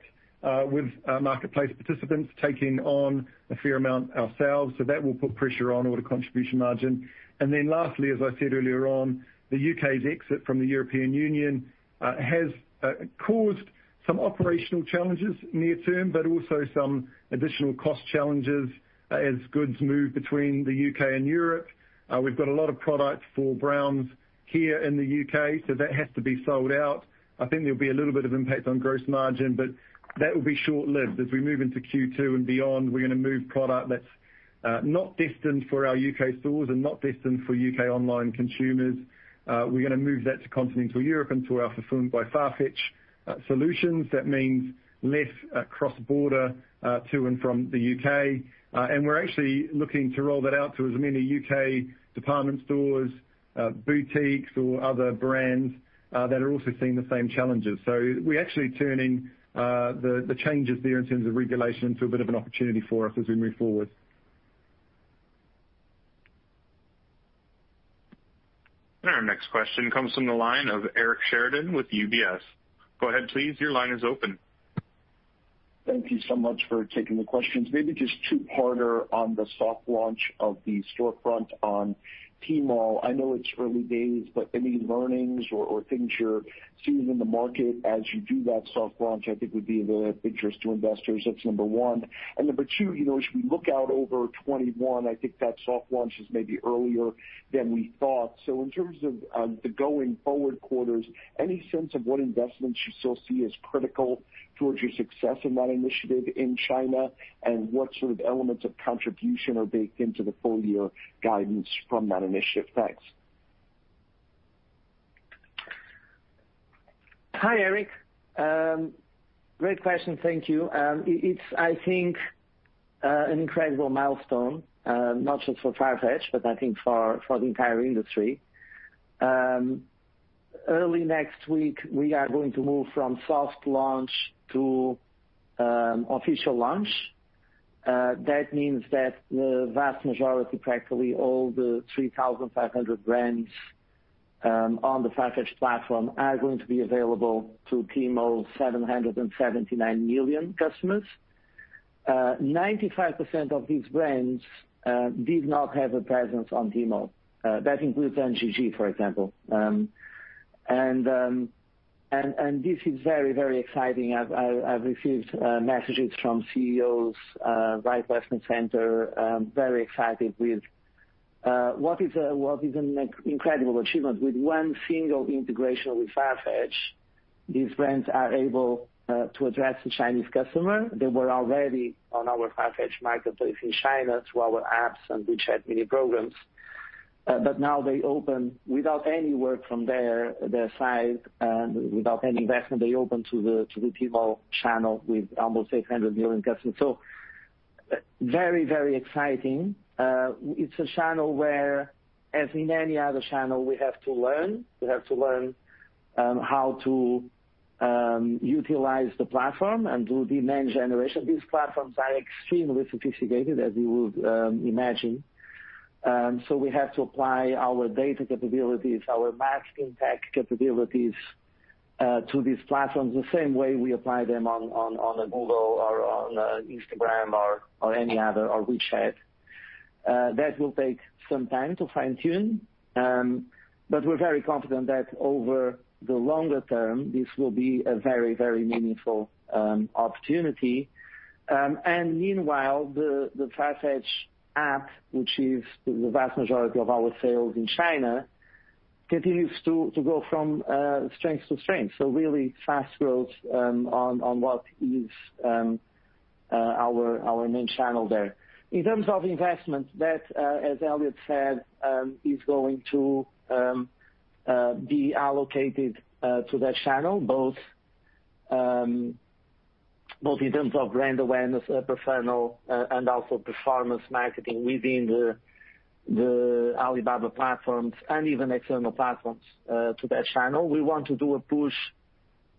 Speaker 5: with our marketplace participants, taking on a fair amount ourselves. That will put pressure on order contribution margin. Lastly, as I said earlier on, the U.K.'s exit from the European Union has caused some operational challenges near term, but also some additional cost challenges as goods move between the U.K. and Europe. We've got a lot of product for Browns here in the U.K., so that has to be sold out. I think there'll be a little bit of impact on gross margin, but that will be short-lived. As we move into Q2 and beyond, we're going to move product that's not destined for our U.K. stores and not destined for U.K. online consumers. We're going to move that to continental Europe into our Fulfillment by Farfetch solutions. That means less cross-border to and from the U.K. We're actually looking to roll that out to as many U.K. department stores, boutiques or other brands that are also seeing the same challenges. We're actually turning the changes there in terms of regulation into a bit of an opportunity for us as we move forward.
Speaker 1: Our next question comes from the line of Eric Sheridan with UBS. Go ahead, please. Your line is open.
Speaker 7: Thank you so much for taking the questions. Maybe just two-parter on the soft launch of the storefront on Tmall. I know it's early days, but any learnings or things you're seeing in the market as you do that soft launch, I think would be in the interest to investors. That's number one. Number two, as we look out over 2021, I think that soft launch is maybe earlier than we thought. In terms of the going forward quarters, any sense of what investments you still see as critical towards your success in that initiative in China, and what sort of elements of contribution are baked into the full-year guidance from that initiative? Thanks.
Speaker 3: Hi, Eric. Great question. Thank you. It's, I think, an incredible milestone, not just for Farfetch, but I think for the entire industry. Early next week, we are going to move from soft launch to official launch. That means that the vast majority, practically all the 3,500 brands on the Farfetch platform are going to be available to Tmall's 779 million customers. 95% of these brands did not have a presence on Tmall. That includes NGG, for example. This is very, very exciting. I've received messages from CEOs right, left and center, very excited with what is an incredible achievement. With one single integration with Farfetch, these brands are able to address the Chinese customer. They were already on our Farfetch marketplace in China through our apps and WeChat mini-programs. Now they open, without any work from their side, and without any investment, they open to the Tmall channel with almost 800 million customers. Very, very exciting. It's a channel where, as in any other channel, we have to learn. We have to learn how to utilize the platform and do demand generation. These platforms are extremely sophisticated, as you would imagine. We have to apply our data capabilities, our max impact capabilities to these platforms, the same way we apply them on Google or on Instagram or any other, or WeChat. That will take some time to fine-tune. We're very confident that over the longer term, this will be a very, very meaningful opportunity. Meanwhile, the Farfetch app, which is the vast majority of our sales in China, continues to go from strength to strength. Really fast growth on what is our main channel there. In terms of investment, that, as Elliot said, is going to be allocated to that channel, both in terms of brand awareness, personal and also performance marketing within the Alibaba platforms and even external platforms to that channel. We want to do a push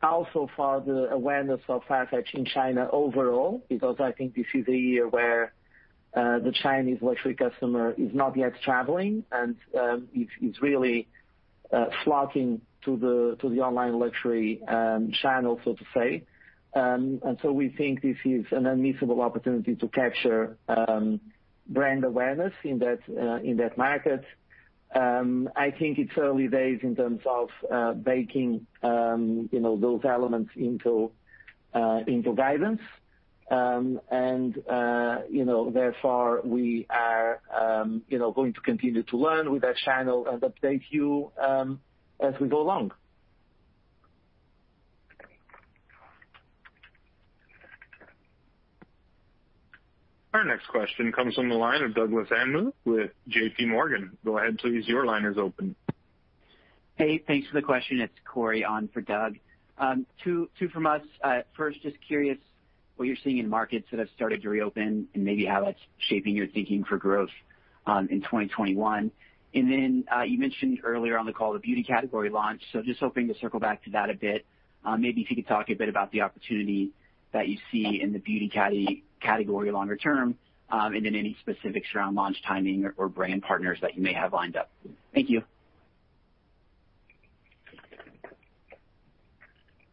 Speaker 3: also for the awareness of Farfetch in China overall, because I think this is a year where the Chinese luxury customer is not yet traveling and is really flocking to the online luxury channel, so to say. We think this is an unmissable opportunity to capture brand awareness in that market. I think it's early days in terms of baking those elements into guidance. Therefore, we are going to continue to learn with that channel and update you as we go along.
Speaker 1: Our next question comes from the line of Douglas Anmuth with JPMorgan. Go ahead please, your line is open.
Speaker 8: Hey, thanks for the question. It's Cory on for Doug. Two from us. First, just curious what you're seeing in markets that have started to reopen, and maybe how that's shaping your thinking for growth in 2021. You mentioned earlier on the call the beauty category launch. So just hoping to circle back to that a bit. Maybe if you could talk a bit about the opportunity that you see in the beauty category longer term, and then any specifics around launch timing or brand partners that you may have lined up. Thank you.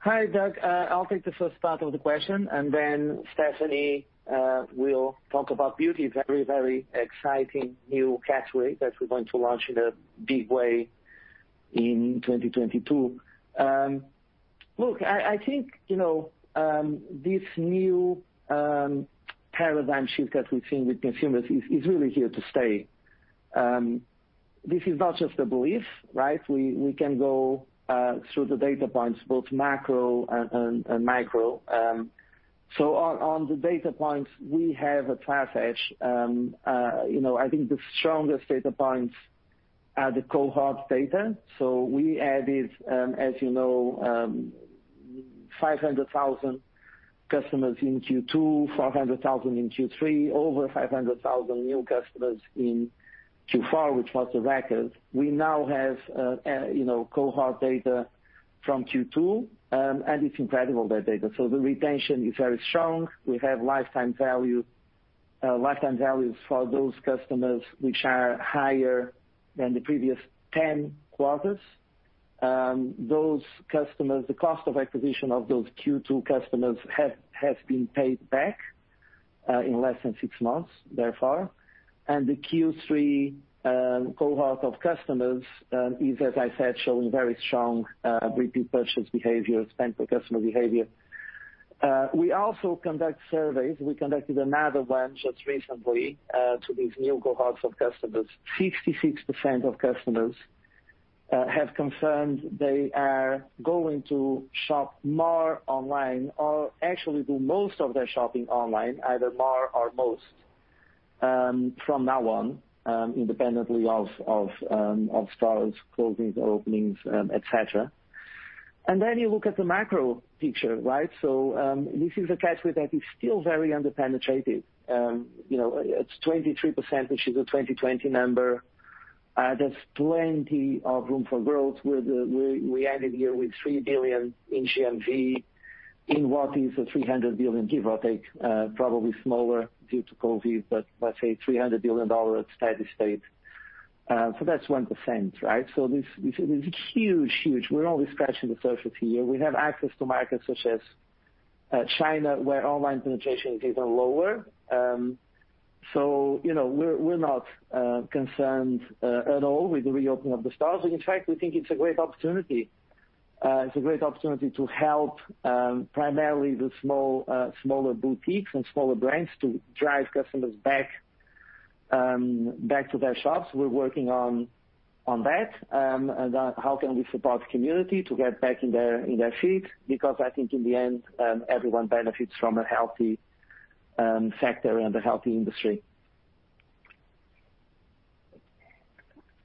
Speaker 3: Hi, Doug. I'll take the first part of the question. Then Stephanie will talk about beauty, very exciting new category that we're going to launch in a big way in 2022. I think, this new paradigm shift that we've seen with consumers is really here to stay. This is not just a belief, right? We can go through the data points, both macro and micro. On the data points, we have at Farfetch, I think the strongest data points are the cohort data. We added, as you know, 500,000 customers in Q2, 400,000 in Q3, over 500,000 new customers in Q4, which was a record. We now have cohort data from Q2. It's incredible, that data. The retention is very strong. We have lifetime values for those customers which are higher than the previous 10 quarters. The cost of acquisition of those Q2 customers has been paid back in less than six months, therefore. The Q3 cohort of customers is, as I said, showing very strong repeat purchase behavior, spend per customer behavior. We also conduct surveys. We conducted another one just recently, to these new cohorts of customers. 66% of customers have confirmed they are going to shop more online or actually do most of their shopping online, either more or most, from now on, independently of stores closing or openings, et cetera. You look at the macro picture, right? This is a category that is still very under-penetrated. It's 23%, which is a 2020 number. There's plenty of room for growth. We ended the year with $3 billion in GMV, in what is a $300 billion, give or take, probably smaller due to COVID, but let's say $300 billion United States. That's 1%, right? This is huge. We're only scratching the surface here. We have access to markets such as China, where online penetration is even lower. We're not concerned at all with the reopening of the stores. In fact, we think it's a great opportunity. It's a great opportunity to help primarily the smaller boutiques and smaller brands to drive customers back to their shops. We're working on that, and how can we support community to get back in their feet, because I think in the end, everyone benefits from a healthy sector and a healthy industry.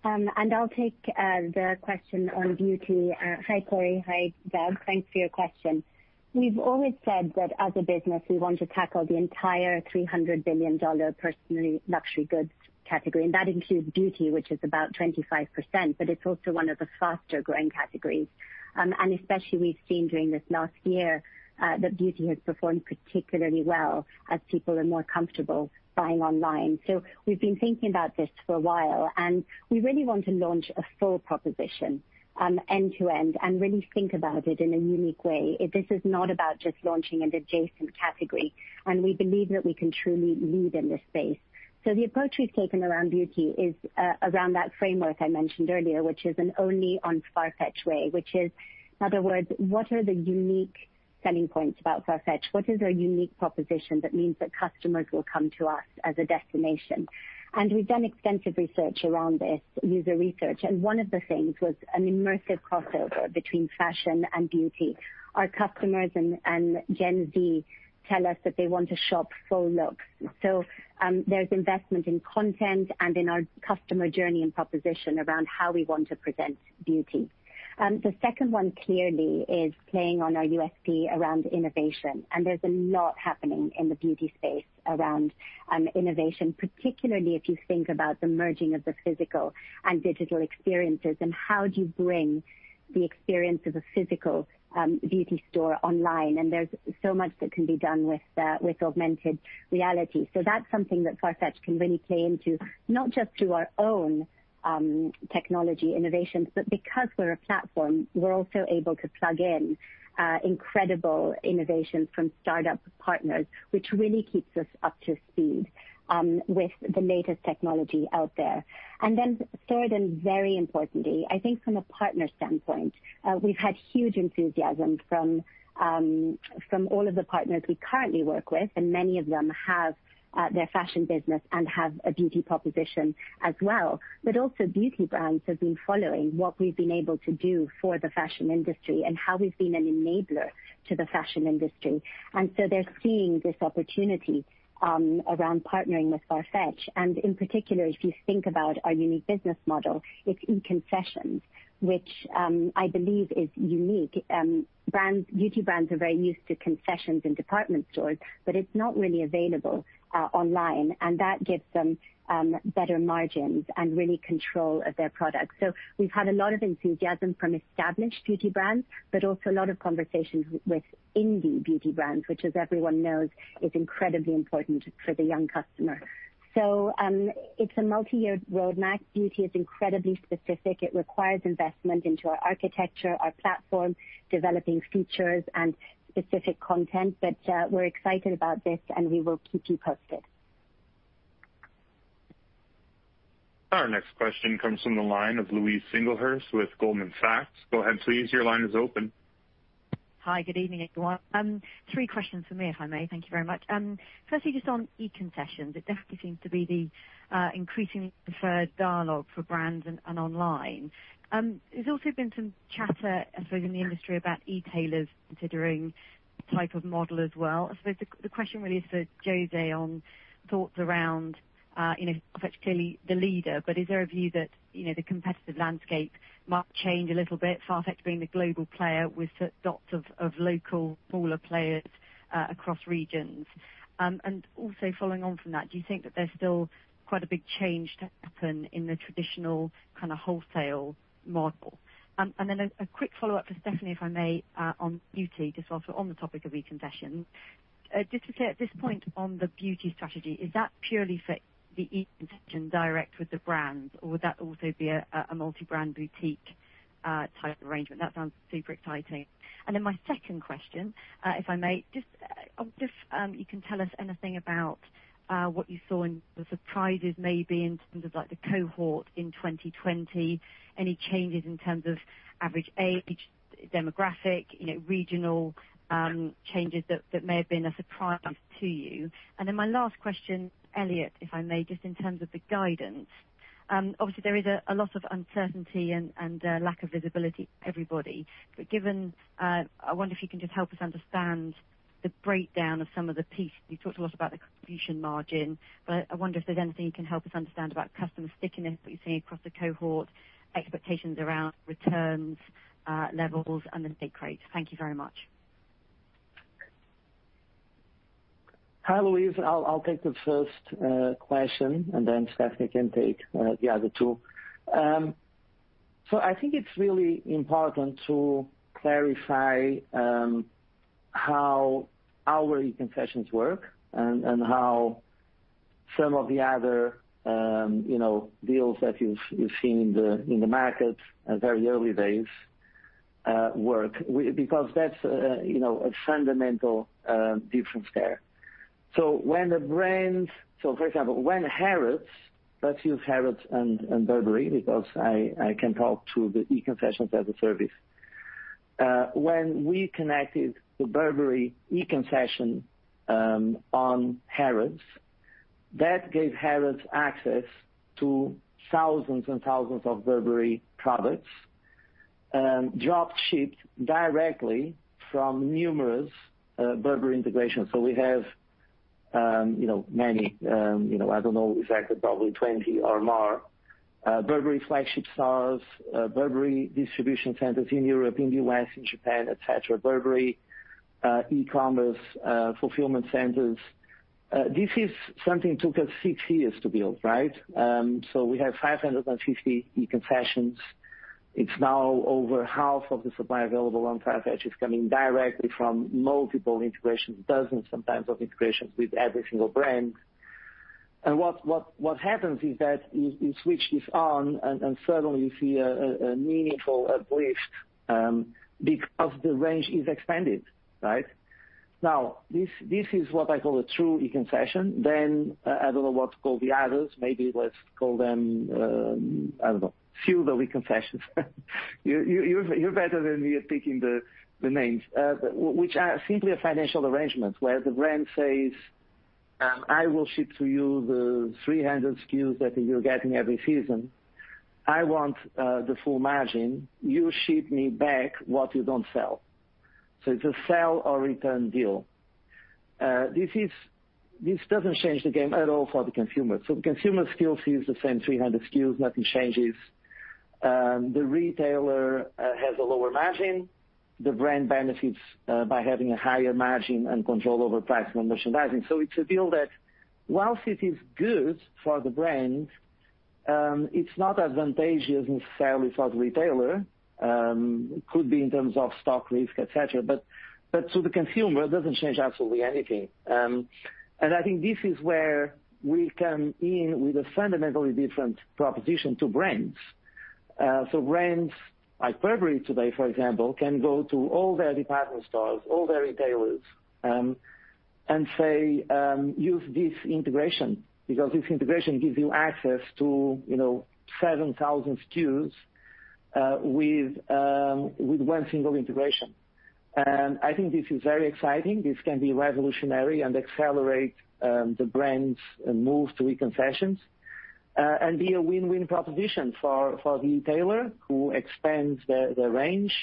Speaker 4: I'll take the question on beauty. Hi, Cory. Hi, Doug. Thanks for your question. We've always said that as a business, we want to tackle the entire $300 billion personal luxury goods category, and that includes beauty, which is about 25%, but it's also one of the faster-growing categories. Especially we've seen during this last year, that beauty has performed particularly well as people are more comfortable buying online. We've been thinking about this for a while, and we really want to launch a full proposition, end to end, and really think about it in a unique way. This is not about just launching an adjacent category, and we believe that we can truly lead in this space. The approach we've taken around beauty is around that framework I mentioned earlier, which is an Only on Farfetch way, which is, in other words, what are the unique selling points about Farfetch? What is our unique proposition that means that customers will come to us as a destination? We've done extensive research around this, user research, and one of the things was an immersive crossover between fashion and beauty. Our customers and Gen Z tell us that they want to shop full looks. There's investment in content and in our customer journey and proposition around how we want to present beauty. The second one clearly is playing on our USP around innovation, and there's a lot happening in the beauty space around innovation, particularly if you think about the merging of the physical and digital experiences, and how do you bring the experience of a physical beauty store online, and there's so much that can be done with augmented reality. That's something that Farfetch can really play into, not just through our own technology innovations, but because we're a platform, we're also able to plug in incredible innovations from startup partners, which really keeps us up to speed with the latest technology out there. Third, and very importantly, I think from a partner standpoint, we've had huge enthusiasm from all of the partners we currently work with, and many of them have their fashion business and have a beauty proposition as well. Also, beauty brands have been following what we've been able to do for the fashion industry and how we've been an enabler to the fashion industry. They're seeing this opportunity around partnering with Farfetch. In particular, if you think about our unique business model, it's in concessions, which I believe is unique. Beauty brands are very used to concessions in department stores, but it's not really available online, and that gives them better margins and really control of their products. We've had a lot of enthusiasm from established beauty brands, but also a lot of conversations with indie beauty brands, which as everyone knows, is incredibly important for the young customer. It's a multi-year roadmap. Beauty is incredibly specific. It requires investment into our architecture, our platform, developing features and specific content. We're excited about this, and we will keep you posted.
Speaker 1: Our next question comes from the line of Louise Singlehurst with Goldman Sachs. Go ahead, Louise, your line is open.
Speaker 9: Hi. Good evening, everyone. Three questions from me, if I may. Thank you very much. Firstly, just on e-concessions. It definitely seems to be the increasingly preferred dialogue for brands and online. There's also been some chatter, I suppose, in the industry about e-tailers considering type of model as well. I suppose, the question really is for José on thoughts around Farfetch clearly the leader, but is there a view that the competitive landscape might change a little bit, Farfetch being the global player with dots of local smaller players across regions? Also following on from that, do you think that there's still quite a big change to happen in the traditional wholesale model? Then a quick follow-up for Stephanie, if I may, on beauty just also on the topic of e-concessions. Just to clear at this point on the beauty strategy, is that purely for the e-concession direct with the brands or would that also be a multi-brand boutique type arrangement? That sounds super exciting. My second question, if I may, just you can tell us anything about what you saw and the surprises maybe in terms of the cohort in 2020. Any changes in terms of average age, demographic, regional changes that may have been a surprise to you. My last question, Elliot, if I may, just in terms of the guidance. Obviously, there is a lot of uncertainty and lack of visibility for everybody. I wonder if you can just help us understand the breakdown of some of the pieces. You talked a lot about the contribution margin, but I wonder if there's anything you can help us understand about customer stickiness that you're seeing across the cohort, expectations around returns levels and the take rates. Thank you very much.
Speaker 3: Hi, Louise. I'll take the first question, and then Stephanie can take the other two. I think it's really important to clarify how our e-concessions work and how some of the other deals that you've seen in the market at very early days work, because that's a fundamental difference there. For example, when Harrods, let's use Harrods and Burberry, because I can talk to the e-concessions-as-a-service. When we connected the Burberry e-concession on Harrods, that gave Harrods access to thousands and thousands of Burberry products, drop-shipped directly from numerous Burberry integrations. We have many, I don't know exactly, probably 20 or more Burberry flagship stores, Burberry distribution centers in Europe, in the U.S., in Japan, et cetera, Burberry e-commerce fulfillment centers. This is something took us six years to build. We have 550 e-concessions. It's now over half of the supply available on Farfetch is coming directly from multiple integrations, dozens sometimes of integrations with every single brand. What happens is that you switch this on and suddenly you see a meaningful uplift, because the range is expanded. Now, this is what I call a true e-concession. I don't know what to call the others. Maybe let's call them, I don't know, pseudo e-concessions. You're better than me at picking the names, which are simply a financial arrangement where the brand says, "I will ship to you the 300 SKUs that you're getting every season. I want the full margin. You ship me back what you don't sell." It's a sell or return deal. This doesn't change the game at all for the consumer. The consumer still sees the same 300 SKUs. Nothing changes. The retailer has a lower margin. The brand benefits by having a higher margin and control over pricing and merchandising. It's a deal that whilst it is good for the brand, it's not advantageous necessarily for the retailer. Could be in terms of stock risk, et cetera. To the consumer, it doesn't change absolutely anything. I think this is where we come in with a fundamentally different proposition to brands. Brands like Burberry today, for example, can go to all their department stores, all their retailers, and say, "Use this integration," because this integration gives you access to 7,000 SKUs with one single integration. I think this is very exciting. This can be revolutionary and accelerate the brand's move to e-concessions, and be a win-win proposition for the retailer who expands the range,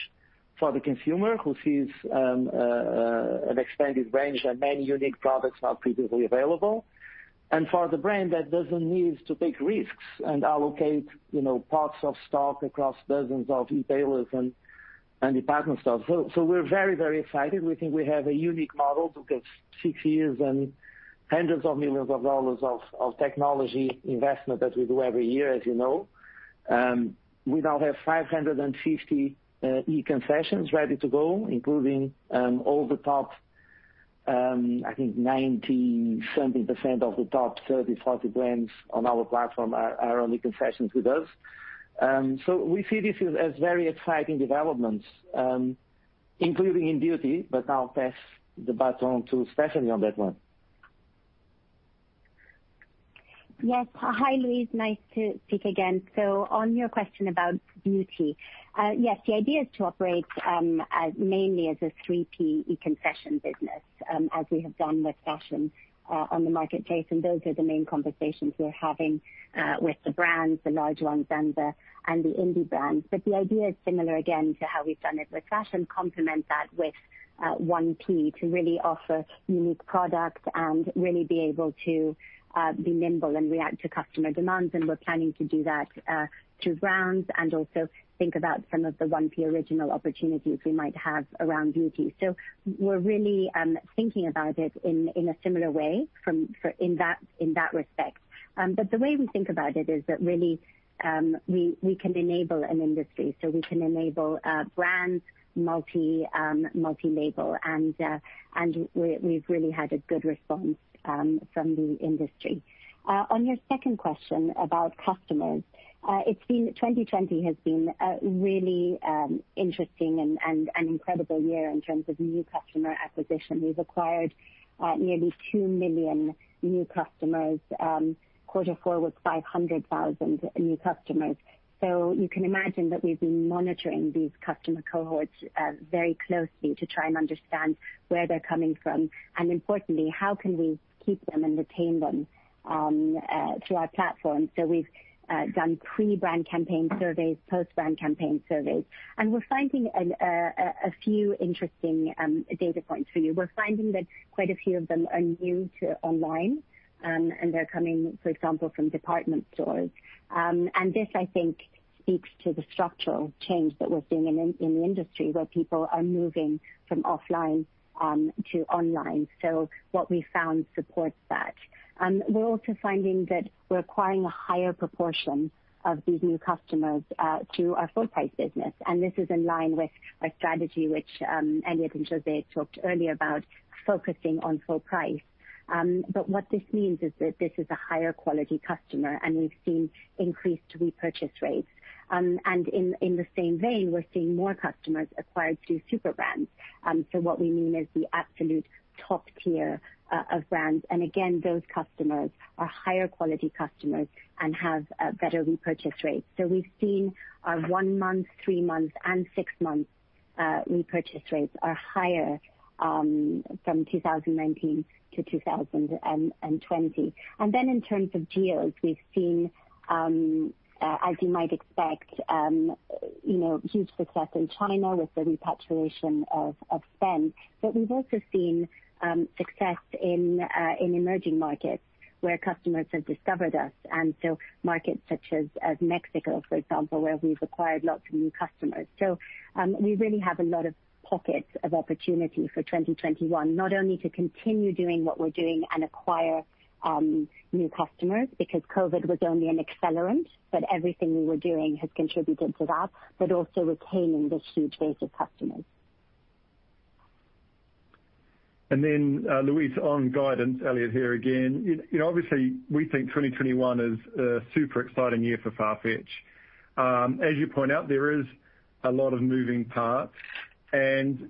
Speaker 3: for the consumer who sees an expanded range and many unique products not previously available, and for the brand that doesn't need to take risks and allocate parts of stock across dozens of e-tailers and department stores. We're very excited. We think we have a unique model. Took us six years and hundreds of millions of dollars of technology investment that we do every year, as you know. We now have 550 e-concessions ready to go, including all, I think 90-something percent of the top 30 fashion brands on our platform are on e-concessions with us. We see this as very exciting developments, including in beauty. I'll pass the baton to Stephanie on that one.
Speaker 4: Yes. Hi, Louise. Nice to speak again. On your question about beauty, yes, the idea is to operate mainly as a 3P e-concession business, as we have done with fashion on the marketplace, and those are the main conversations we are having with the brands, the large ones and the indie brands. The idea is similar, again, to how we've done it with fashion, complement that with 1P to really offer unique product and really be able to be nimble and react to customer demands. We're planning to do that to brands and also think about some of the 1P original opportunities we might have around beauty. We're really thinking about it in a similar way in that respect. The way we think about it is that really, we can enable an industry, so we can enable brands multi-label, and we've really had a good response from the industry. On your second question about customers. 2020 has been a really interesting and an incredible year in terms of new customer acquisition. We've acquired nearly two million new customers. Quarter four was 500,000 new customers. You can imagine that we've been monitoring these customer cohorts very closely to try and understand where they're coming from, and importantly, how can we keep them and retain them through our platform. We've done pre-brand campaign surveys, post-brand campaign surveys, and we're finding a few interesting data points for you. We're finding that quite a few of them are new to online, and they're coming, for example, from department stores. This, I think, speaks to the structural change that we're seeing in the industry, where people are moving from offline to online. What we found supports that. We're also finding that we're acquiring a higher proportion of these new customers to our full-price business, and this is in line with our strategy, which Elliot and José talked earlier about focusing on full price. What this means is that this is a higher quality customer, and we've seen increased repurchase rates. In the same vein, we're seeing more customers acquired through super brands. What we mean is the absolute top tier of brands. Again, those customers are higher quality customers and have better repurchase rates. We've seen our one-month, three-month, and six-month repurchase rates are higher from 2019 to 2020. In terms of geos, we've seen, as you might expect, huge success in China with the repatriation of spend. We've also seen success in emerging markets where customers have discovered us. Markets such as Mexico, for example, where we've acquired lots of new customers. We really have a lot of pockets of opportunity for 2021, not only to continue doing what we're doing and acquire new customers, because COVID was only an accelerant, but everything we were doing has contributed to that, but also retaining this huge base of customers.
Speaker 5: Louise, on guidance, Elliot here, again. Obviously, we think 2021 is a super exciting year for Farfetch. As you point out, there is a lot of moving parts.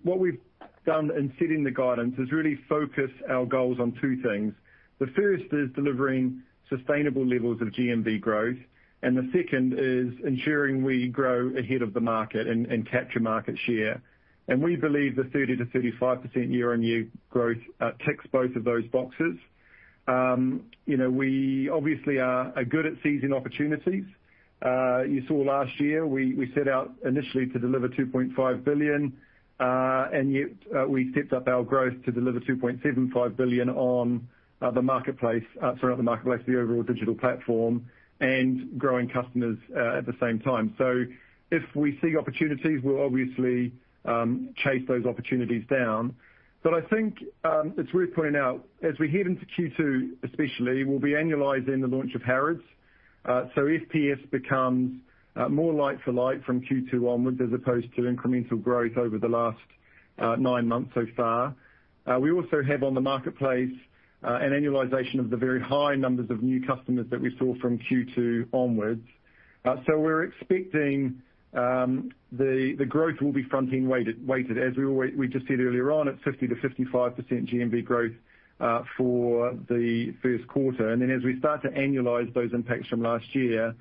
Speaker 5: What we've done in setting the guidance is really focus our goals on two things. The first is delivering sustainable levels of GMV growth, and the second is ensuring we grow ahead of the market and capture market share. We believe the 30%-35% year-on-year growth ticks both of those boxes. We obviously are good at seizing opportunities. You saw last year, we set out initially to deliver $2.5 billion, and yet we stepped up our growth to deliver $2.75 billion on the overall Digital Platform, and growing customers at the same time. If we see opportunities, we'll obviously chase those opportunities down. I think it's worth pointing out, as we head into Q2 especially, we'll be annualizing the launch of Harrods. FPS becomes more like for like from Q2 onwards as opposed to incremental growth over the last nine months so far. We also have on the marketplace an annualization of the very high numbers of new customers that we saw from Q2 onwards. We're expecting the growth will be front-end weighted. As we just said earlier on, it's 50%-55% GMV growth for the first quarter. As we start to annualize those impacts from last year,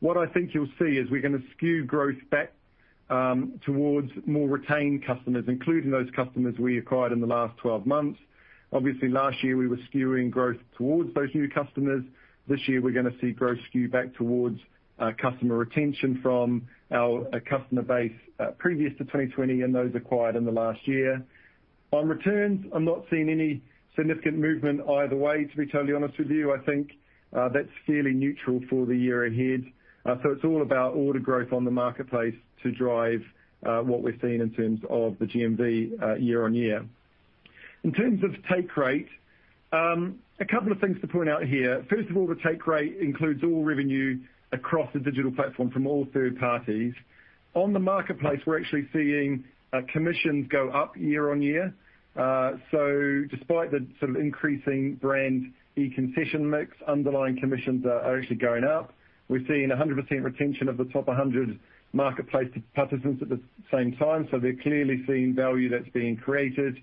Speaker 5: what I think you'll see is we're going to skew growth back towards more retained customers, including those customers we acquired in the last 12 months. Obviously, last year, we were skewing growth towards those new customers. This year, we're going to see growth skew back towards customer retention from our customer base previous to 2020 and those acquired in the last year. On returns, I'm not seeing any significant movement either way, to be totally honest with you. I think that's fairly neutral for the year ahead. It's all about order growth on the marketplace to drive what we're seeing in terms of the GMV year-on-year. In terms of take rate. A couple of things to point out here. First of all, the take rate includes all revenue across the Digital Platform from all third parties. On the marketplace, we're actually seeing commissions go up year-on-year. Despite the sort of increasing brand e-concession mix, underlying commissions are actually going up. We're seeing 100% retention of the top 100 marketplace participants at the same time. They're clearly seeing value that's being created.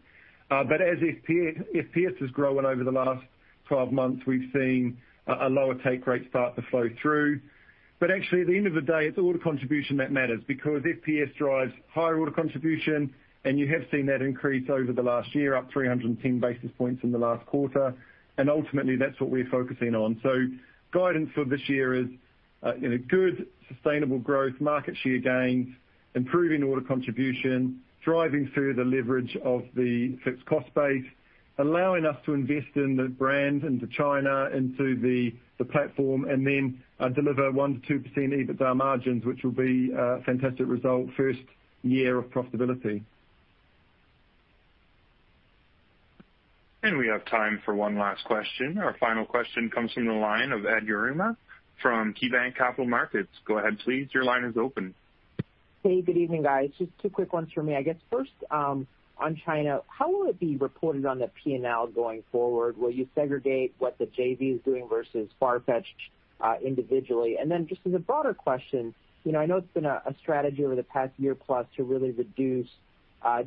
Speaker 5: As FPS has grown over the last 12 months, we've seen a lower take rate start to flow through. Actually, at the end of the day, it's order contribution that matters, because FPS drives higher order contribution, and you have seen that increase over the last year, up 310 basis points in the last quarter. Ultimately, that's what we're focusing on. Guidance for this year is good, sustainable growth, market share gains, improving order contribution, driving through the leverage of the fixed cost base, allowing us to invest in the brand, into China, into the platform, and then deliver 1%-2% EBITDA margins, which will be a fantastic result first year of profitability.
Speaker 1: We have time for one last question. Our final question comes from the line of Edward Yruma from KeyBanc Capital Markets. Go ahead, please. Your line is open.
Speaker 10: Hey, good evening, guys. Just two quick ones for me. I guess first on China, how will it be reported on the P&L going forward? Will you segregate what the JV is doing versus Farfetch individually? Then just as a broader question, I know it's been a strategy over the past year-plus to really reduce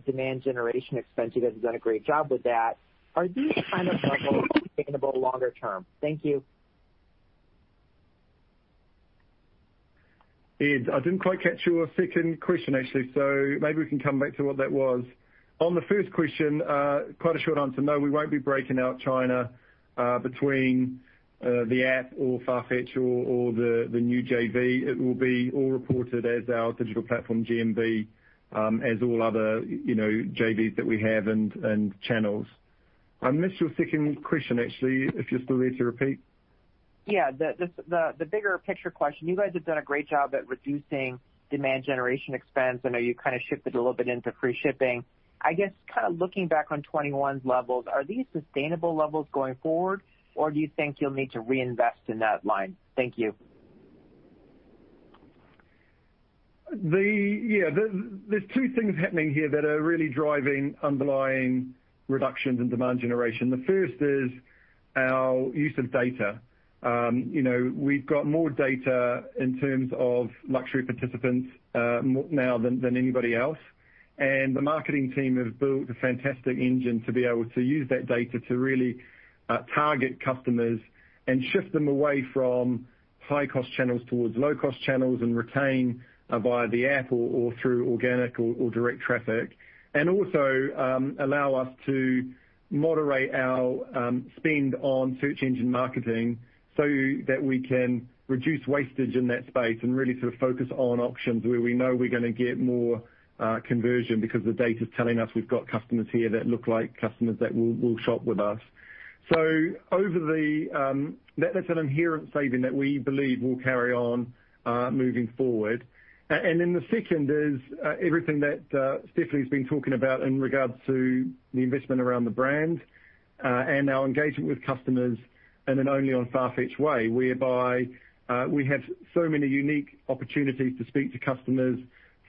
Speaker 10: demand generation expense. You guys have done a great job with that. Are these kind of levels sustainable longer term? Thank you.
Speaker 5: Ed, I didn't quite catch your second question, actually. Maybe we can come back to what that was. On the first question, quite a short answer. No, we won't be breaking out China between the app or Farfetch or the new JV. It will be all reported as our Digital Platform GMV as all other JVs that we have and channels. I missed your second question, actually, if you're still there to repeat.
Speaker 10: Yeah. The bigger picture question, you guys have done a great job at reducing demand generation expense. I know you kind of shifted a little bit into free shipping. I guess, kind of looking back on 2021 levels, are these sustainable levels going forward, or do you think you'll need to reinvest in that line? Thank you.
Speaker 5: There's two things happening here that are really driving underlying reductions in demand generation. The first is our use of data. We've got more data in terms of luxury participants now than anybody else. The marketing team has built a fantastic engine to be able to use that data to really target customers and shift them away from high-cost channels towards low-cost channels and retain via the app or through organic or direct traffic. Also allow us to moderate our spend on search engine marketing so that we can reduce wastage in that space and really sort of focus on auctions where we know we're going to get more conversion because the data's telling us we've got customers here that look like customers that will shop with us. That's an inherent saving that we believe will carry on moving forward. The second is everything that Stephanie's been talking about in regards to the investment around the brand and our engagement with customers, and then Only on Farfetch way, whereby we have so many unique opportunities to speak to customers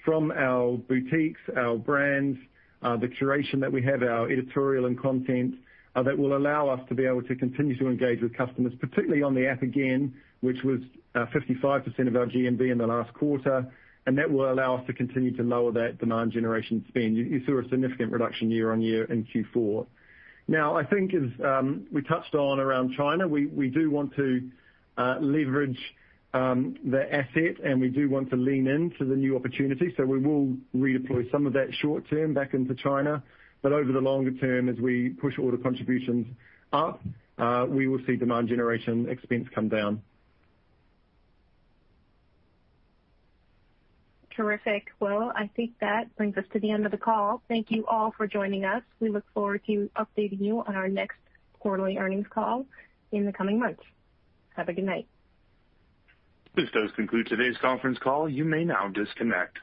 Speaker 5: from our boutiques, our brands, the curation that we have, our editorial and content that will allow us to be able to continue to engage with customers, particularly on the app again, which was 55% of our GMV in the last quarter, and that will allow us to continue to lower that demand generation spend. You saw a significant reduction year-over-year in Q4. I think as we touched on around China, we do want to leverage the asset, and we do want to lean into the new opportunity. We will redeploy some of that short term back into China. Over the longer term, as we push order contributions up, we will see demand generation expense come down.
Speaker 2: Terrific. Well, I think that brings us to the end of the call. Thank you all for joining us. We look forward to updating you on our next quarterly earnings call in the coming months. Have a good night.
Speaker 1: This does conclude today's conference call. You may now disconnect.